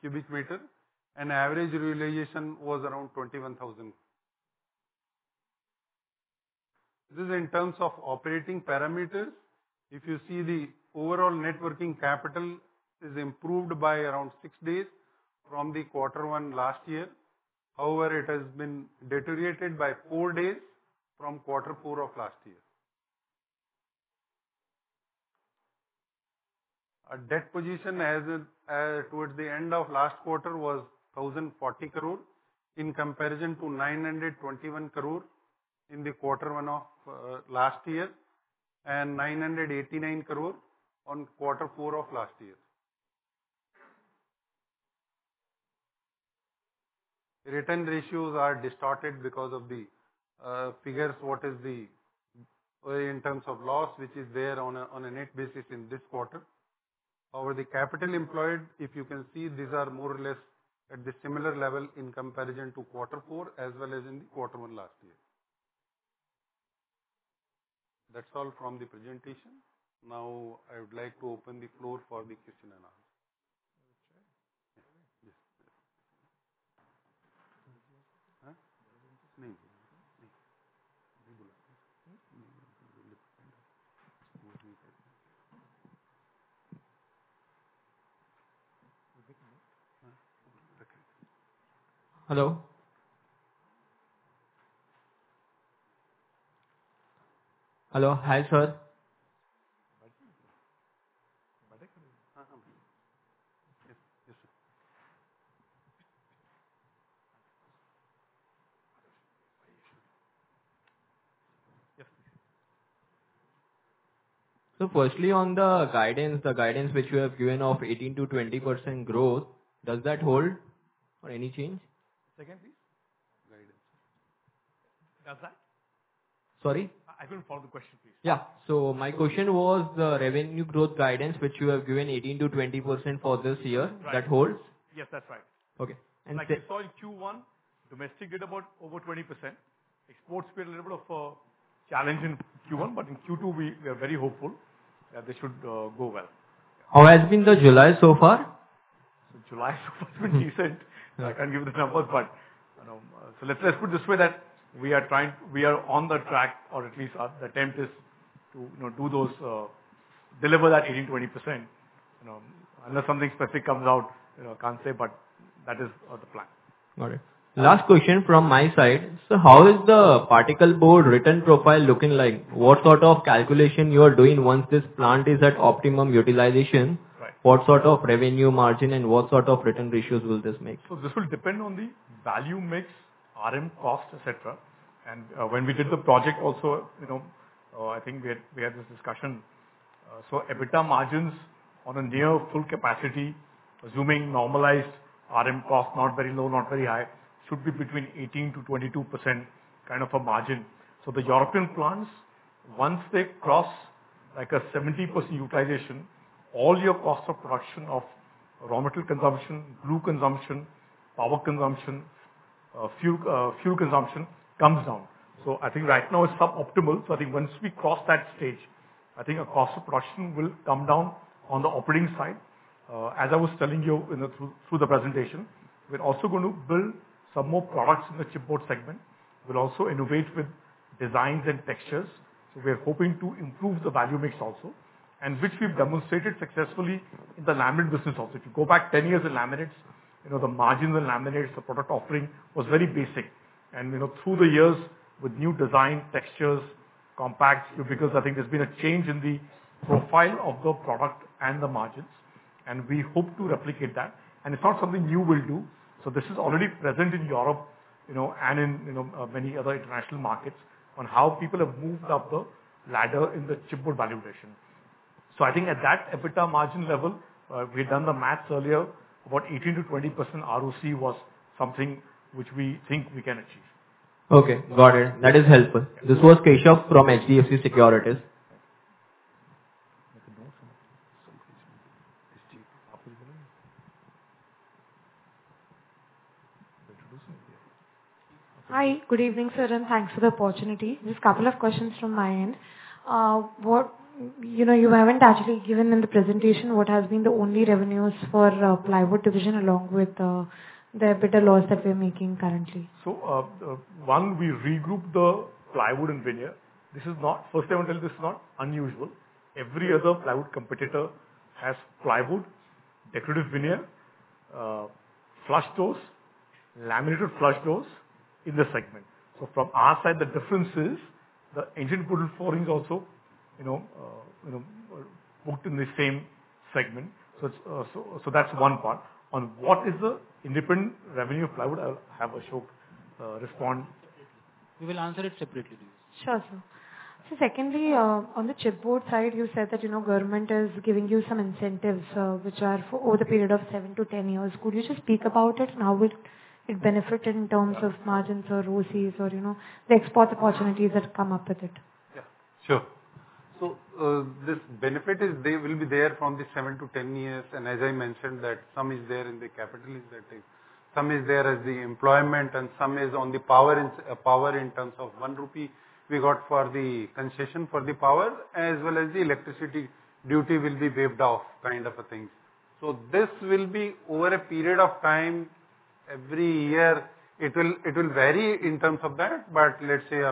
cubic meter and average realization was around 21,000. This is in terms of operating parameters. If you see, the overall net working capital is improved by around six days from the quarter one last year. However, it has been deteriorated by four days from quarter four of last year. Our debt position as towards the end of last quarter was 1,040 crore in comparison to 921 crore in quarter one of last year and 989 crore in quarter four of last year. Return ratios are distorted because of the figures. What is the in terms of loss which is there on a net basis in this quarter over the capital employed? If you can see, these are more or less at the similar level in comparison to quarter four as well as in quarter one last year. That's all from the presentation. Now I would like to open the floor for the question and answer. Hello. Hi sir. Firstly, on the guidance, the guidance which you have given of 18%-20% growth, does that hold or any change again please? Guidance does that. Sorry? I couldn't follow the question, please. Yeah, my question was the revenue growth guidance which you have given 18%-20% for this year, that holds? Yes, that's right. Okay. Like I saw in Q1, domestic did about over 20%. Exports were a little bit of a challenge in Q1, but in Q2 we are very hopeful that this should go well. How has been the July so far? July so far decent. I can't give the numbers, but let's put it this way: we are trying, we are on the track or at least the attempt is to do those, deliver that 18%-20%, unless something specific comes out, can't say. That is the plan. Got it. Last question from my side. How is the chipboard written profile looking like? What sort of calculation are you doing once this plant is at optimum utilization, what sort of revenue margin and what sort of return ratios will this make? This will depend on the value mix, RM cost, etc. When we did the project also, you know, I think we had this discussion. EBITDA margins on a near full capacity, assuming normalized RM cost, not very low, not very high, should be between 18%-22% kind of a margin. The European plants, once they cross like a 70% utilization, all your cost of production of raw material consumption, glue consumption, power consumption, fuel, fuel consumption comes down. I think right now it's sub optimal. I think once we cross that stage, a cost of production will come down. On the operating side, as I was telling you through the presentation, we're also going to build some more products in the chipboard segment. We'll also innovate with designs and textures. We are hoping to improve the value mix also, which we've demonstrated successfully in the laminate business. Also, if you go back 10 years in laminates, you know, the marginal laminates, the product offering was very basic and, you know, through the years with new design, textures, compacts. I think there's been a change in the profile of the product and the margins and we hope to replicate that and it's not something new we'll do. This is already present in Europe and in many other international markets on how people have moved up the ladder in the chipboard valuation. I think at that EBITDA margin level, we've done the maths earlier, about 18%-20% ROCE was something which we think we can achieve. Okay, got it. That is helpful. This was Keshav from HDFC Securities. Hi, good evening sir, and thanks for the opportunity. Just a couple of questions from my end. You know, you haven't actually given in the presentation what has been the only revenues for plywood division along with the EBITDA loss that we're making currently. We regroup the plywood and veneers. This is not, first I tell you, this is not unusual. Every other plywood competitor has plywood, decorative veneers, flush doors, laminated flush doors in the segment. From our side, the difference is the engineered doors and flooring is also booked in the same segment. That's one part on what is the independent revenue flow. I'll have Ashok respond. We will answer it separately. Sure. Secondly, on the chipboard side, you said that, you know, government is giving you some incentives which are for over the period of seven to 10 years. Could you just speak about it and how will it benefit in terms of margins or ROCE or, you know, the export opportunities that come up with it? Yeah, sure. This benefit will be there from seven to 10 years. As I mentioned, some is there in the capital, some is there as the employment, and some is on the power. Power in terms of one rupee we got for the concession for the power, as well as the electricity duty will be waived off, kind of things. This will be over a period of time every year. It will vary in terms of that. Let's say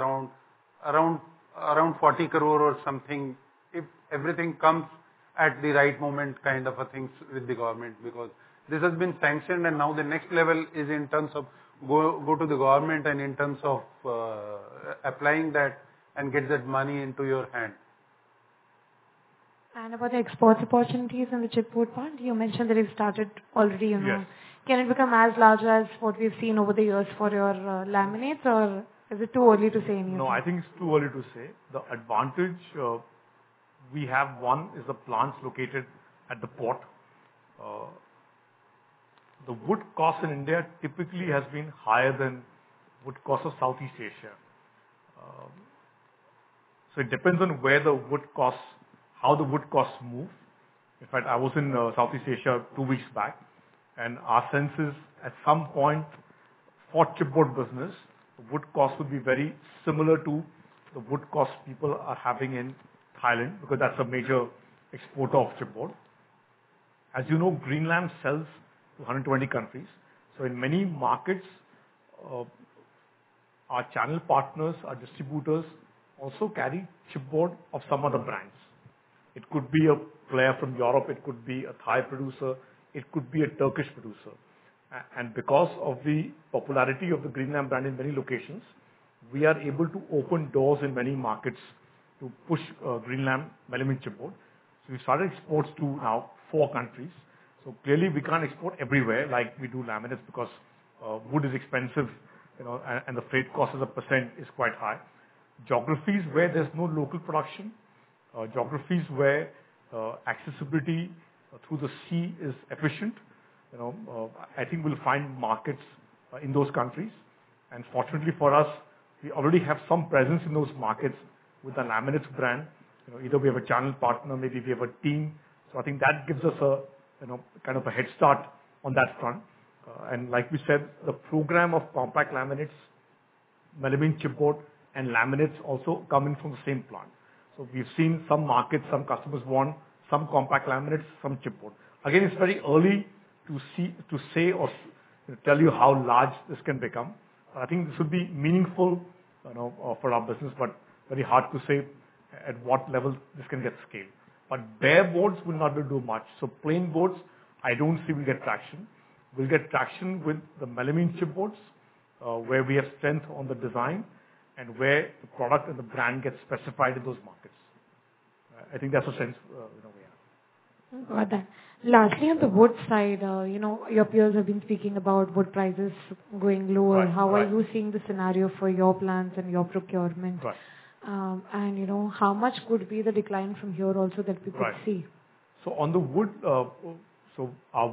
around 40 crore or something if everything comes at the right moment, kind of things with the government, because this has been sanctioned and now the next level is in terms of going to the government and applying that and getting that money into your hand. Regarding export opportunities and the chipboard part, you mentioned that it started already. Can it become as large as what we've seen over the years for your laminates or is it too early to say? No, I think it's too early to say. The advantage we have, one is the plants located at the port. The wood cost in India typically has been higher than wood cost of Southeast Asia. It depends on where the wood costs, how the wood costs move. In fact, I was in Southeast Asia two weeks back and our sense is at some point for chipboard business wood cost would be very similar to the wood cost people are having in Thailand because that's a major exporter of chipboard. As you know, Greenlam sells to 120 countries. In many markets, our channel partners, our distributors also carry chipboard of some other brands. It could be a player from Europe, it could be a Thai producer, it could be a Turkish producer. Because of the popularity of the Greenlam brand in many locations, we are able to open doors in many markets to push Greenlam melamine support. We started exports to now four countries. Clearly we can't export everywhere like we do laminates because wood is expensive and the freight cost of the percent is quite high. Geographies where there's no local production, geographies where accessibility through the sea is efficient, I think we'll find markets in those countries. Fortunately for us, we already have some presence in those markets with the laminates brand. Either we have a channel partner, maybe we have a team. I think that gives us a kind of a head start on that front. Like we said, the program of compact laminates, melamine chipboard and laminates also come in from the same plant. We've seen some markets, some customers want some compact laminates, some chipboard. Again, it's very early to say or tell you how large this can become. I think this would be meaningful for our business, but very hard to say at what level this can get scaled. Bare boards will not do much. Plain boards I don't see. We get traction, we'll get traction with the melamine chipboards where we have strength on the design and where the product and the brand gets specified in those markets. I think that's a sense. You know, lastly on the wood side, your peers have been speaking about wood prices going lower. How are you seeing the scenario for your plans and your procurement, and how much could be the decline from here also that we could see. On the wood, our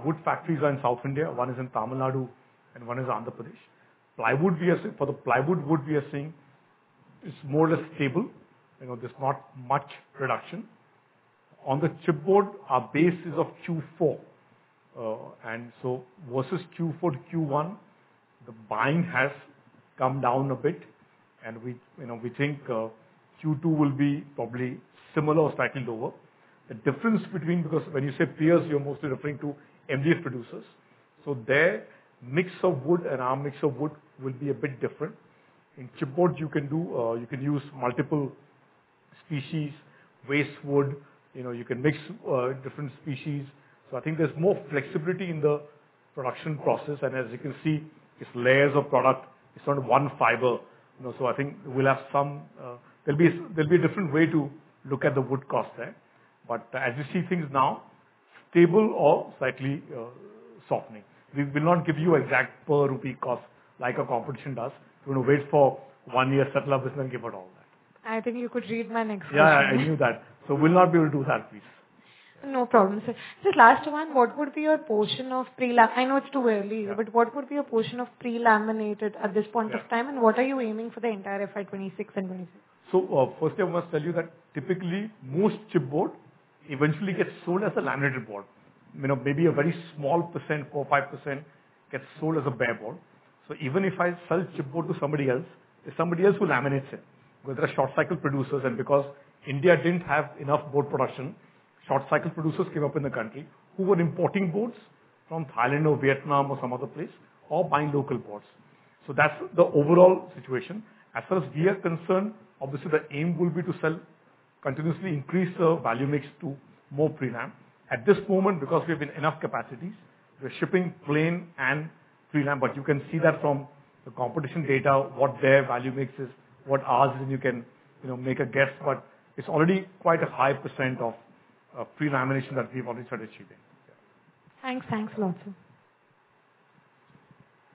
wood factories are in South India. One is in Tamil Nadu and one is in Andhra Pradesh. For the plywood, we are seeing it is more or less stable. There's not much reduction on the chipboard. Our base is of Q4, so versus Q4 to Q1, the buying has come down a bit and we think Q2 will be probably similar or slightly lower. The difference, because when you say peers, you're mostly referring to MDF producers, so their mix of wood and our mix of wood will be a bit different. In chipboard, you can use multiple species, waste wood. You can mix different species, so there's more flexibility in the production process. As you can see, it's layers of product, it's not one fiber. There will be a different way to look at the wood cost there. As you see things now, stable or slightly softening, we will not give you exact per rupee cost like a competition does when you wait for one year Settler business, give it all that. I think you could read my next. Yeah, I knew that. We'll not be able to do that. Please. No problem. The last one, what would be your portion of prelam. I know it's too early, but what would be a portion of pre laminated at this point of time? What are you aiming for the entire FY 2026 and 2026? First, I must tell you that typically most chipboard eventually gets sold as a laminated board. Maybe a very small percent, 4%, 5%, gets sold as a bare board. Even if I sell chipboard to somebody else, it's somebody else who laminates it. Because they're short cycle producers and because India didn't have enough board production, short cycle producers came up in the country who were importing boards from Thailand or Vietnam or some other place or buying local boards. That's the overall situation as far as we are concerned. Obviously, the aim will be to continuously increase the value mix to more pre-lam. At this moment, because we have enough capacities, we're shipping plain and pre-lam. You can see that from the competition data, what their value mix is, what ours is, and you can make a guess. It's already quite a high percent of pre-lamination that we've already started. Thanks. Thanks a lot.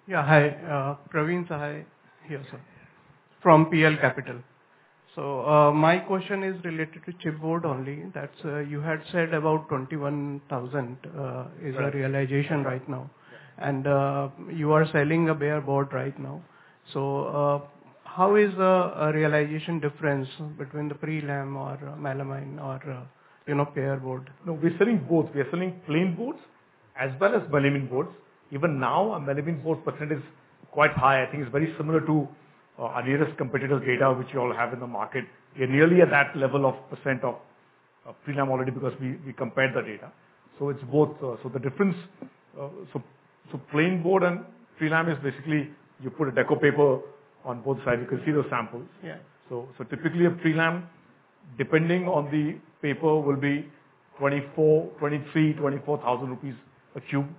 Yeah, hi, Praveen here Sir, from PL Capital. My question is related to chipboard only. You had said about 21,000 is a realization right now and you are selling a bare board right now. How is the realization difference between the prelam or melamine or, you know, bare board? No, we're selling boards. We are selling plain boards as well as melamine boards. Even now, our melamine percent is quite high. I think it's very similar to our nearest competitor data which you all have in the market. We're nearly at that level of percent of prelam already because we compared the data. It's both. The difference, so plain board and prelam is basically you put a deco paper on both sides, you can see those samples. Typically, a prelam, depending on the paper, will be 23,000 rupees-INR24,000 a cubic meter,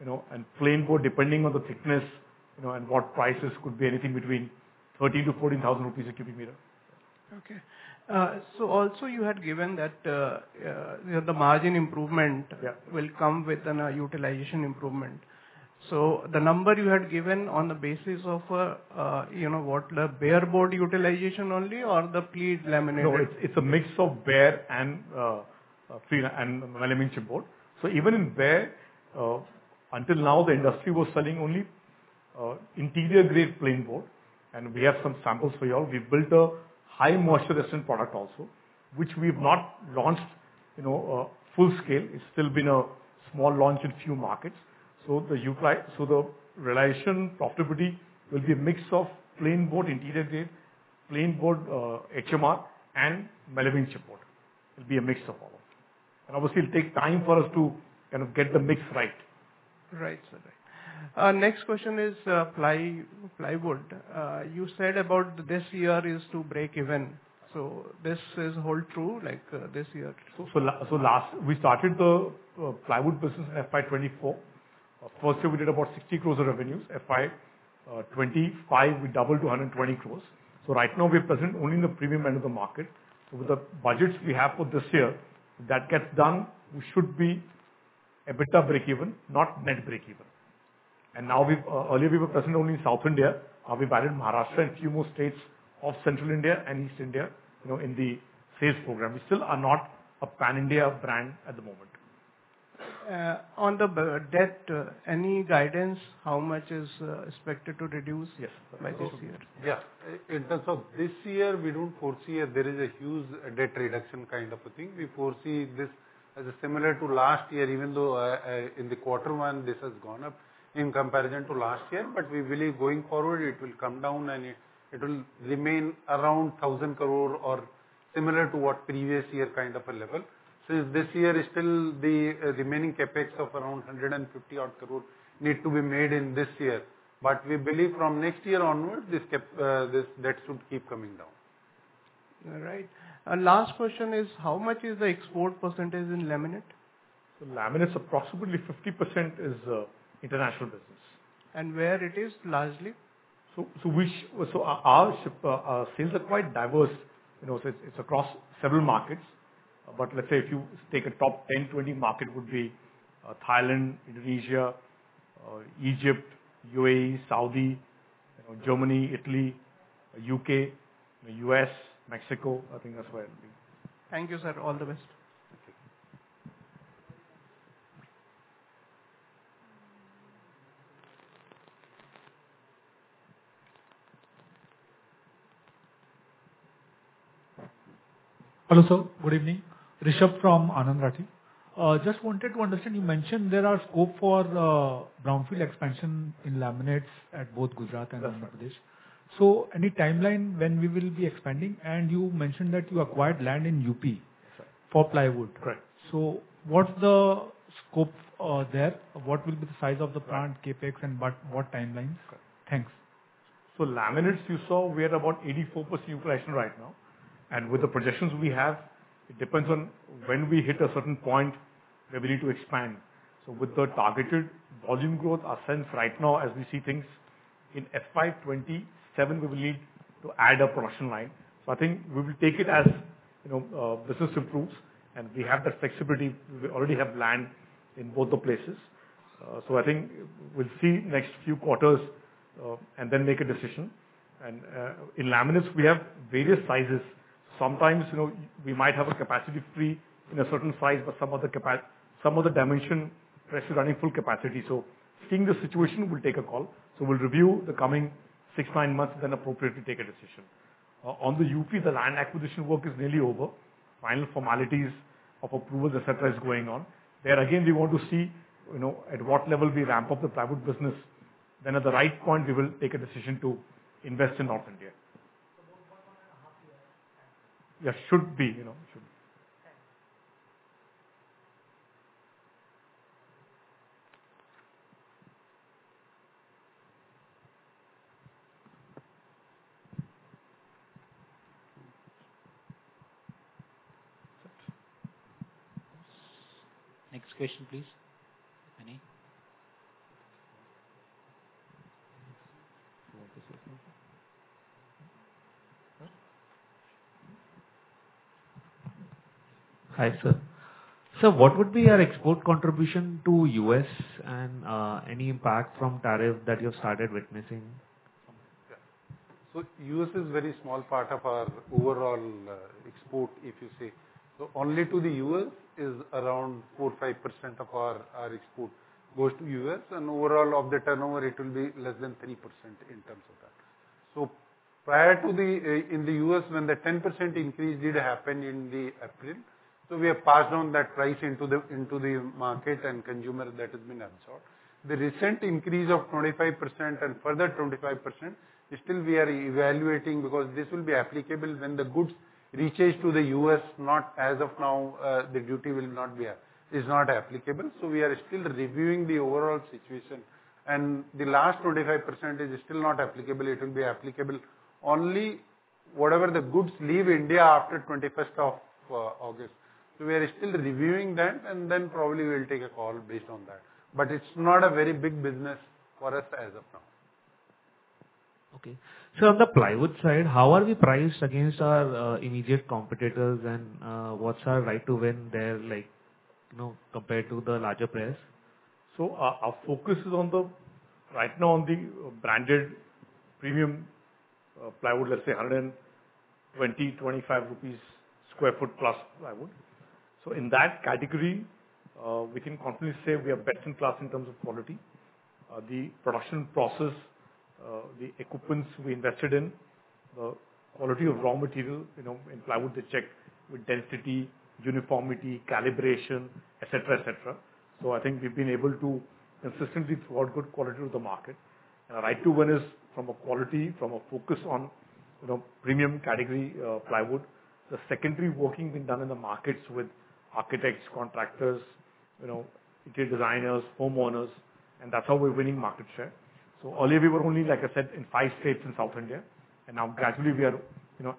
you know, and plain board, depending on the thickness, you know, and what prices, could be anything between 13,000-14,000 rupees a cubic meter. Okay. You had given that the margin improvement will come with the utilization improvement. The number you had given on. The basis of you know what the bare board utilization only or the please laminate. It's a mix of bare and free and elementary board. Even in there until now the industry was selling only interior grade plain board. We have some samples for you all. We built a high moisture resistant product also, which we've not launched full scale. It's still been a small launch in few markets. The UFI, so the realization profitability will be a mix of plain board, interior grade, plain wood, HMR, and malevolent support. It'll be a mix of all of them. Obviously, it takes time for us to kind of get the mix right. Right. Next question is plywood. You said about this year is to break even. This is hold true like this year. Last year we started the plywood business. FY 2024 first year we did about 60 crore of revenues. FY 2025 we doubled to 120 crore. Right now we're present only in the premium end of the market over the budgets we have for this year. If that gets done we should be EBITDA breakeven, not net breakeven. Earlier we were present only in South India. We added Maharashtra and a few more states of Central India and East India in the sales program. We still are not a pan India brand at the moment. On the depth, any guidance how much is expected to reduce by this year? Yeah, in terms of this year we don't foresee there is a huge debt reduction kind of a thing. We foresee this as similar to last year. Even though in the quarter one this has gone up in comparison to last year, we believe going forward it will come down and it will remain around 1,000 crore or similar to what previous year kind of a level. Since this year is still the remaining CapEx of around 150 crore need to be made in this year, we believe from next year onward this debt should keep coming down. Right. Last question is how much is the. Export percentage in laminates? Laminates approximately 50% is international business And where it is largely? Our sales are quite diverse. It's across several markets. If you take a top 10-20 market, it would be Thailand, Indonesia, Egypt, UAE, Saudi, Germany, Italy, U.K., U.S., Mexico. I think that's where it'll be. Thank you, sir. All the best. Thank you. Sir. Good evening, Rishabh from Anand Rathi. Just wanted to understand. You mentioned there is scope for brownfield. Expansion in laminates at both Gujarat and Andhra Pradesh. Any timeline when we will be expanding? You mentioned that you acquired land in UP for plywood. Correct. What's the scope there? What will be the size of the plant CapEx and what timelines? Thanks. Laminates, you saw we are about 84% utilization right now. With the projections we have, it depends on when we hit a certain point where we need to expand. With the targeted volume growth as seen right now, as we see things in FY 2027, we will need to add a production line. I think we will take it as business improves and we have that flexibility. We already have land in both the places. I think we'll see the next few quarters and then make a decision. In laminates, we have various sizes. Sometimes, you know, we might have a capacity free in a certain size, but some of the capacity, some of the dimension rest is running full capacity. Seeing the situation, we'll take a call. We'll review the coming six to nine months, then appropriately take a decision on the up. The land acquisition work is nearly over. Final formalities of approvals, etc., are going on there. Again, we want to see at what level we ramp up the private business. At the right point, we will take a decision to invest in North India. Yes, should be. Next question, please. Any? Hi sir. What would be our export contribution to the U.S. and any impact from tariff? That you've started witnessing? The U.S. is a very small part of our overall export. If you say so, only to the U.S. is around 4%-5% of our export goes to the U.S., and overall of the turnover it will be less than 3% in terms of that. Prior to the, in the U.S., when the 10% increase did happen in April, we have passed on that price into the market and consumer; that has been absorbed. The recent increase of 25% and further 25% still we are evaluating because this will be applicable when the goods reach the U.S., not as of now. The duty is not applicable. We are still reviewing the overall situation, and the last 25% is still not applicable. It will be applicable only for whatever goods leave India after 21st of August. We are still reviewing that, and then probably we will take a call based on that. It's not a very big business. For us as of now. Okay, so on the plywood side, how are we priced against our immediate competitors, and what's our right to win there? Like you know, compared to the larger players? Our focus is right now on the branded premium plywood, let's say 120, 125 rupees per sq ft plus plywood. In that category, we can confidently say we are best in class in terms of quality, the production process, the equipment we invested in, the quality of raw material. You know in plywood they check with density, uniformity, calibration, etc. etc. I think we've been able to consistently thwart good quality to the market. The right to win is from a quality, from a focus on premium category plywood. The secondary working being done in the markets with architects, contractors, interior designers, homeowners. That's how we're winning market share. Earlier we were only, like I said, in five states in South India and now gradually we are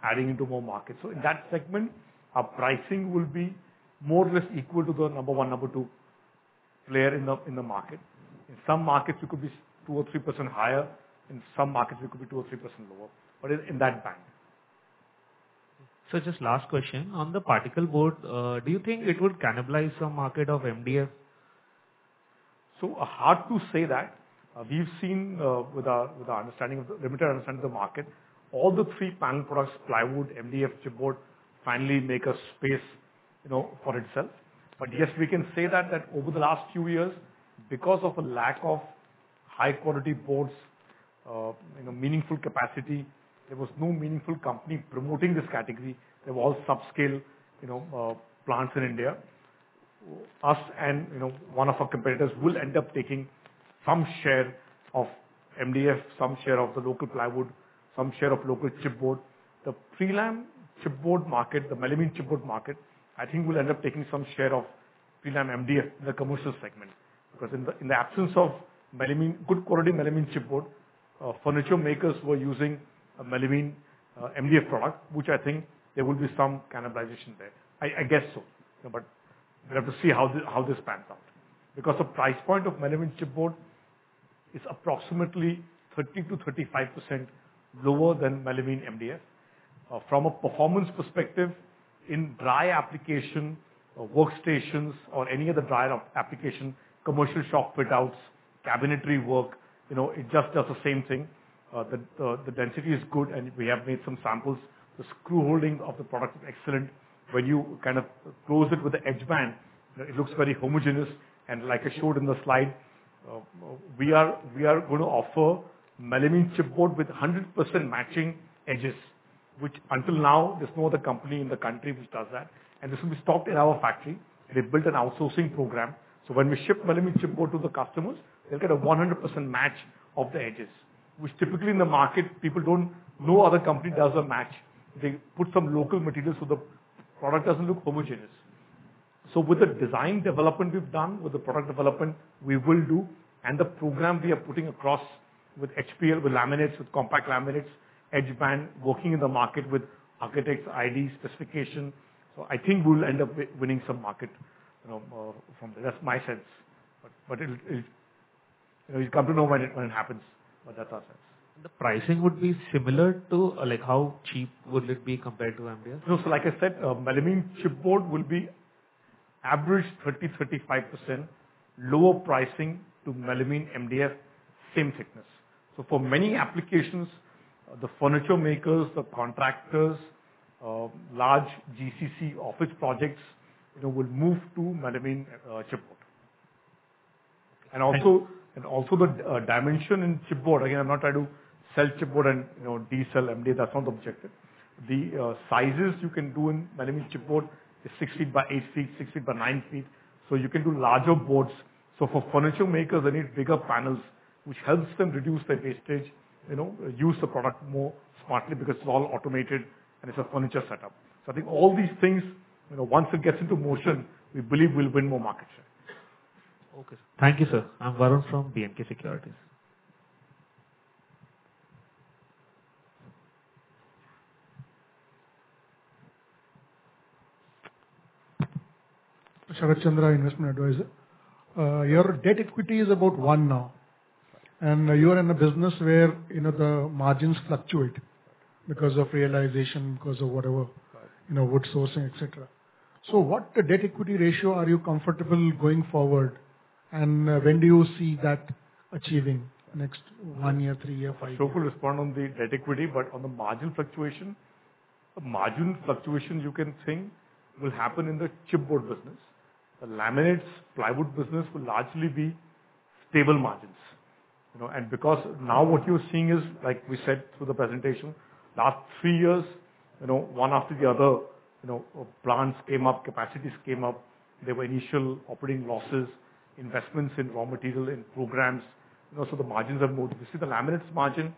adding into more markets. In that segment, our pricing will be more or less equal to the number one, number two player in the market. In some markets we could be 2% or 3% higher, in some markets we could be 2% or 3% lower, but in that band. Just last question. On the chipboard, do you think it would cannibalize the market of MDF? It's hard to say that we've seen, with our understanding of the limited understanding of the market, all the three panel products, plywood, MDF, chipboard, finally make a space for itself. Yes, we can say that over the last few years, because of a lack of high quality boards and meaningful capacity, there was no meaningful company promoting this category. They were all subscale plants in India. One of our competitors will end up taking some share of MDF, some share of the local plywood, some share of local chipboard, the prelim chipboard market, the melamine chipboard market. I think we'll end up taking some share of prelim MDF in the commercial segment because in the absence of melamine, good quality melamine chipboard, furniture makers were using a melamine MDF product, which I think there will be some cannibalization there. I guess so. We have to see how this pans out because the price point of melamine chipboard is approximately 30%-35% lower than melamine MDF. From a performance perspective, in dry application workstations or any other dry application commercial shop fit outs, cabinetry work, it just does the same thing. The density is good and we have made some samples. The screw holding of the product is excellent. When you close it with the edge band, it looks very homogeneous. Like I showed in the slide, we are going to offer melamine chipboard with 100% matching edges, which until now, there's no other company in the country which does that. This will be stocked in our factory and it built an outsourcing program. When we ship melamine chipboard to the customers, they'll get a 100% match of the edges, which typically in the market people don't. No other company does a match. They put some local materials, so the product doesn't look homogeneous. With the design development we've done, with the product development we will do, and the program we are putting across with HPL, with laminates, with compact laminates, edgeband working in the market with architects, ID specification, I think we'll end up winning some market from that. That's my sense. You come to know when it happens. The pricing would be similar to, like, how cheap would it be compared to MDF? No. Like I said, melamine chipboard will be on average 30%-35% lower pricing compared to melamine MDF, same thickness. For many applications, the furniture makers, the contractors, large GCC office projects will move to melamine chipboard. Also, the dimension in chipboard, again I'm not trying to sell chipboard and de-sell MDF, that's not the objective. The sizes you can do in melamine chipboard are 6 ft by 8 ft, 6 ft by 9 ft. You can do larger boards. For furniture makers, they need bigger panels which helps them reduce their wastage and use the product more smartly because it's all automated and it's a furniture setup. I think all these things, once it gets into motion, we believe will win more market share. Okay, thank you, sir. I'm Varun from B&K Securities. Investment Advisor. Your debt equity is about 1 now. You are in a business where. You know the margins fluctuate because of. Realization, because of whatever, you know, wood sourcing, etc. What debt equity ratio are you comfortable going forward and when do you. See that achieving next one year, three years, five years. We'll respond on the debt equity, but on the margin fluctuation. A margin fluctuation you can think will happen in the chipboard business. Laminates, plywood business will largely be stable margins. What you're seeing is like we said through the presentation, last three years, one after the other, plants came up, capacities came up, there were initial operating losses, investments in raw material and programs. The margins have moved. You see the laminates margin,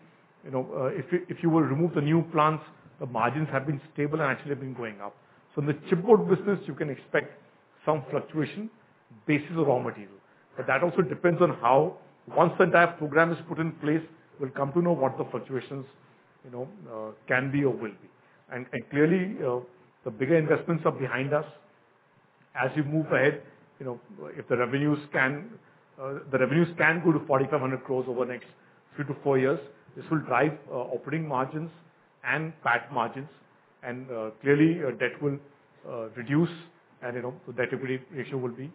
if you remove the new plants, the margins have been stable and actually been going up. In the chipboard business you can expect some fluctuation basis of raw material. That also depends on how once the entire program is put in place, we'll come to know what the fluctuations can be or will be. Clearly the bigger investments are behind us. As you move ahead, if the revenues can go to 4,500 crores over the next three to four years, this will drive operating margins and fat margins and clearly debt will reduce. The debt equity ratio will be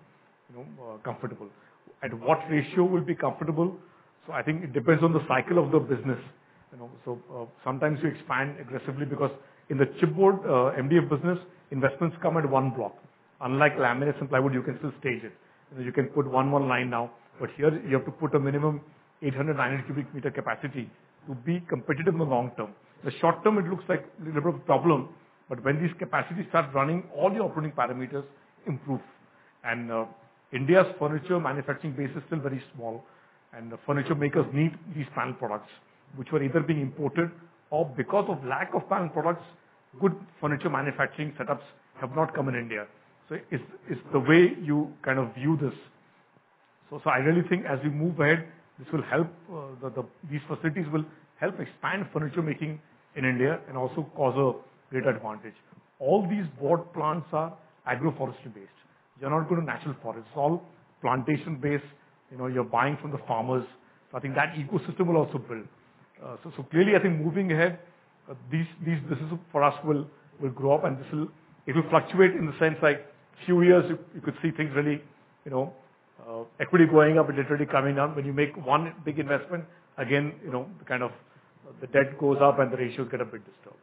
comfortable. At what ratio will it be comfortable? I think it depends on the cycle of the business. Sometimes you expand aggressively because in the chipboard MDF business, investments come at one block, unlike laminate and plywood. You can still stage it. You can put one line now, but here you have to put a minimum 800 cubic meter-900 cubic meter capacity to be competitive in the long term. In the short term it looks like a little bit of a problem. When these capacities start running, all the operating parameters improve. India's furniture manufacturing base is still very small. The furniture makers need these panel products which were either being imported or because of lack of panel products, good furniture manufacturing setups have not come in India. It's the way you kind of view this. I really think as we move ahead, these facilities will help expand furniture making in India and also cause a great advantage. All these board plants are agroforestry based. You're not going to natural forest, all plantation based. You're buying from the farmers. I think that ecosystem will also build. Clearly I think moving ahead, these businesses for us will grow up and it will fluctuate in the sense like a few years you could see things, equity going up, it really coming down. When you make one big investment again, the debt goes up and the ratio gets a bit disturbed.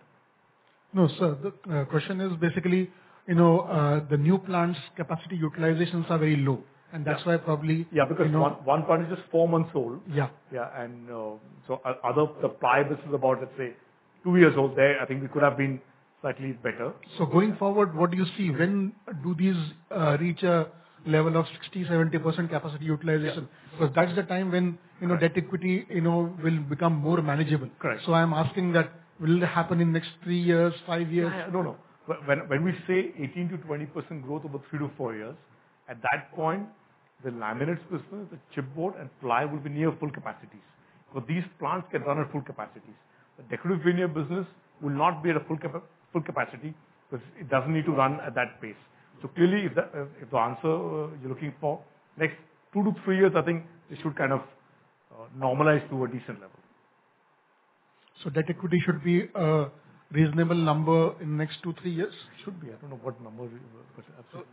No sir, the question is basically, you know, the new plants' capacity utilizations are very low, and that's why probably? Yeah, because one plant is just four months old. Yeah, yeah. The other supply, this is about, let's say, two years old there. I think we could have been slightly better. Going forward, what do you see? When do these reach a level of 60% or 70% capacity utilization? Because that's the time when you know. Debt equity will become more manageable. I'm asking that will happen in. Next three years, five years? No, no, when we say 18%-20% growth over three to four years, at that point the laminates business, the chipboard and ply will be near full capacities because these plants can run at full capacities. The declutter business will not be at a full capacity because it doesn't need to run at that pace. Clearly, if the answer you're looking for is next two to three years, I think this should kind of normalize to a decent level. Debt equity should be a reasonable number in the next two, three years. Should be, I don't know what number.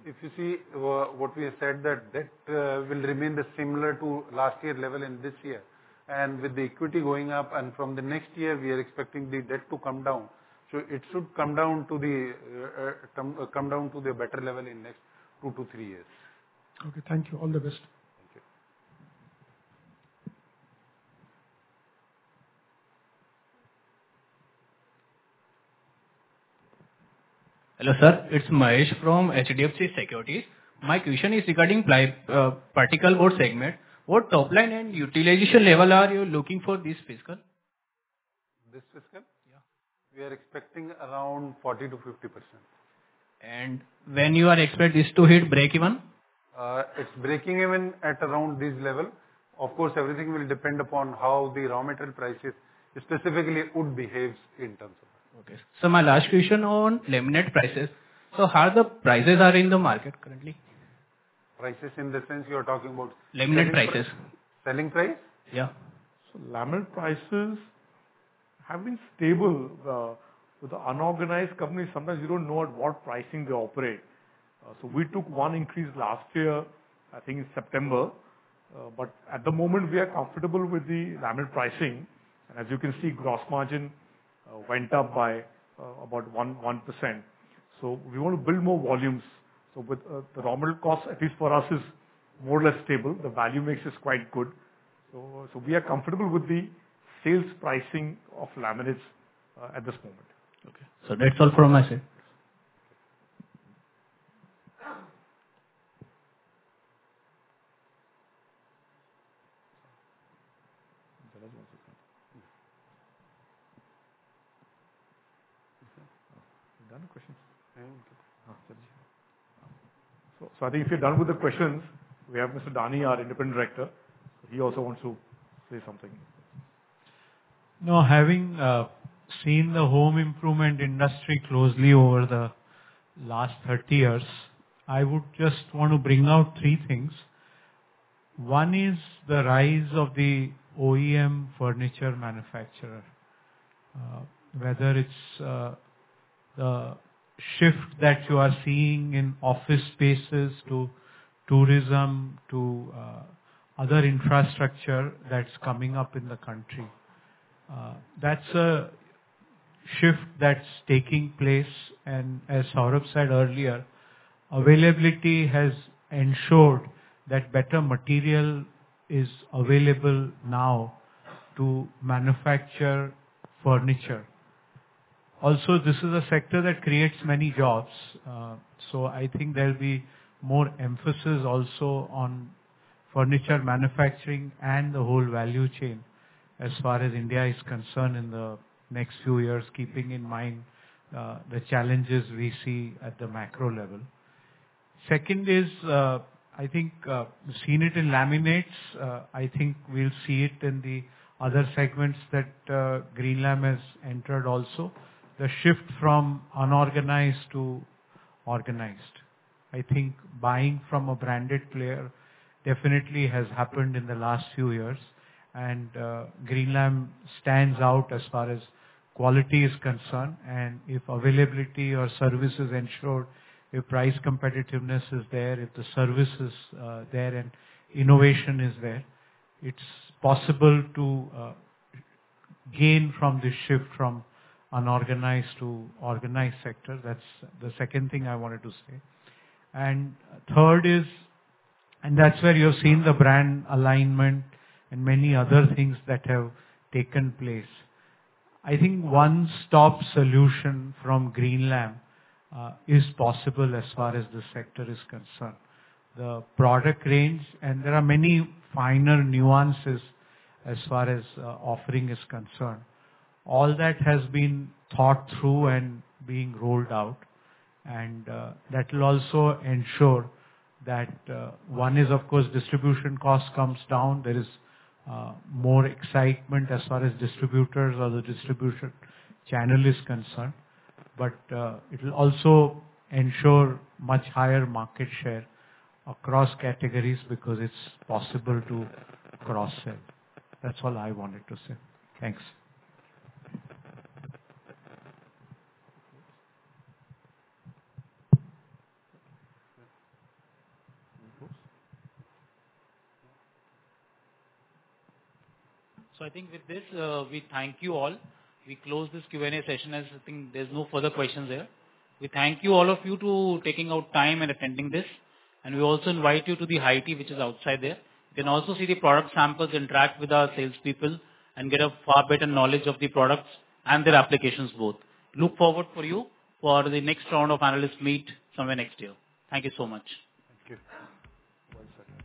If you see what we said, that debt will remain similar to last year level in this year, and with the equity going up, from the next year we are expecting the debt to come down. It should come down to the better level in next two to three years. Okay, thank you. All the best. Hello sir, it's Manish from HDFC Securities. My question is regarding particle board segment. What top line and utilization level are you looking for this fiscal? This fiscal? Yeah, we are expecting around 40%-50%. When you are expect this to hit break even? It's breaking even at around this level. Of course, everything will depend upon how the raw material prices specifically would behave in terms of. Okay, my last question on laminate prices. How are the prices in the market currently? Prices in the sense you are talking about? Laminate prices. Selling price? Yeah. Laminate prices have been stable with the unorganized companies. Sometimes you don't know at what pricing they operate. We took one increase last year, I think in September. At the moment we are comfortable with the laminate pricing, and as you can see, gross margin went up by about 11%. We want to build more volumes. The normal cost at least for us is more or less stable. The value mix is quite good. We are comfortable with the sales pricing of laminates at this moment. Okay, so that's all from my side. I think if you're done with the questions, we have Mr. Dani, our Independent Director, he also wants to say something? No. Having seen the home improvement industry closely over the last 30 years, I would just want to bring out three things. One is the rise of the OEM furniture manufacturer. Whether it's the shift that you are seeing in office spaces, to tourism, to other infrastructure that's coming up in the country, that's a shift that's taking place. As Saurabh said earlier, availability has ensured that better material is available now to manufacture furniture. Also, this is a sector that creates many jobs. I think there'll be more emphasis also on furniture manufacturing and the whole value chain as far as India is concerned in the next few years, keeping in mind the challenges we see at the macro level. Second is, I think, seen it in laminates, I think we'll see it in the other segments that Greenlam has entered. Also, the shift from unorganized to organized, I think buying from a branded player definitely has happened in the last few years and Greenlam stands out as far as quality is concerned. If availability or service is ensured, if price competitiveness is there, if the service is there and innovation is there, it's possible to gain from the shift from unorganized to organized sector. That's the second thing I wanted to say. Third is, and that's where you've seen the brand alignment and many other things that have taken place. I think one stop solution from Greenlam is possible as far as the sector is concerned, the product range, and there are many finer nuances as far as offering is concerned. All that has been thought through and being rolled out and that will also ensure that, one is of course distribution cost comes down, there is more excitement as far as distributors or the distribution channel is concerned. It will also ensure much higher market share across categories because it's possible to cross sell. That's all I wanted to say. Thanks. I think with this we thank you all. We close this Q&A session as I think there's no further questions there. We thank you all of you for taking out time and attending this, and we also invite you to the area which is outside. There you can also see the product samples, interact with our sales people, and get a far better knowledge of the products and their applications. Both look forward for you for the next round of analysts meet somewhere next year. Thank you so much. Thank you once more.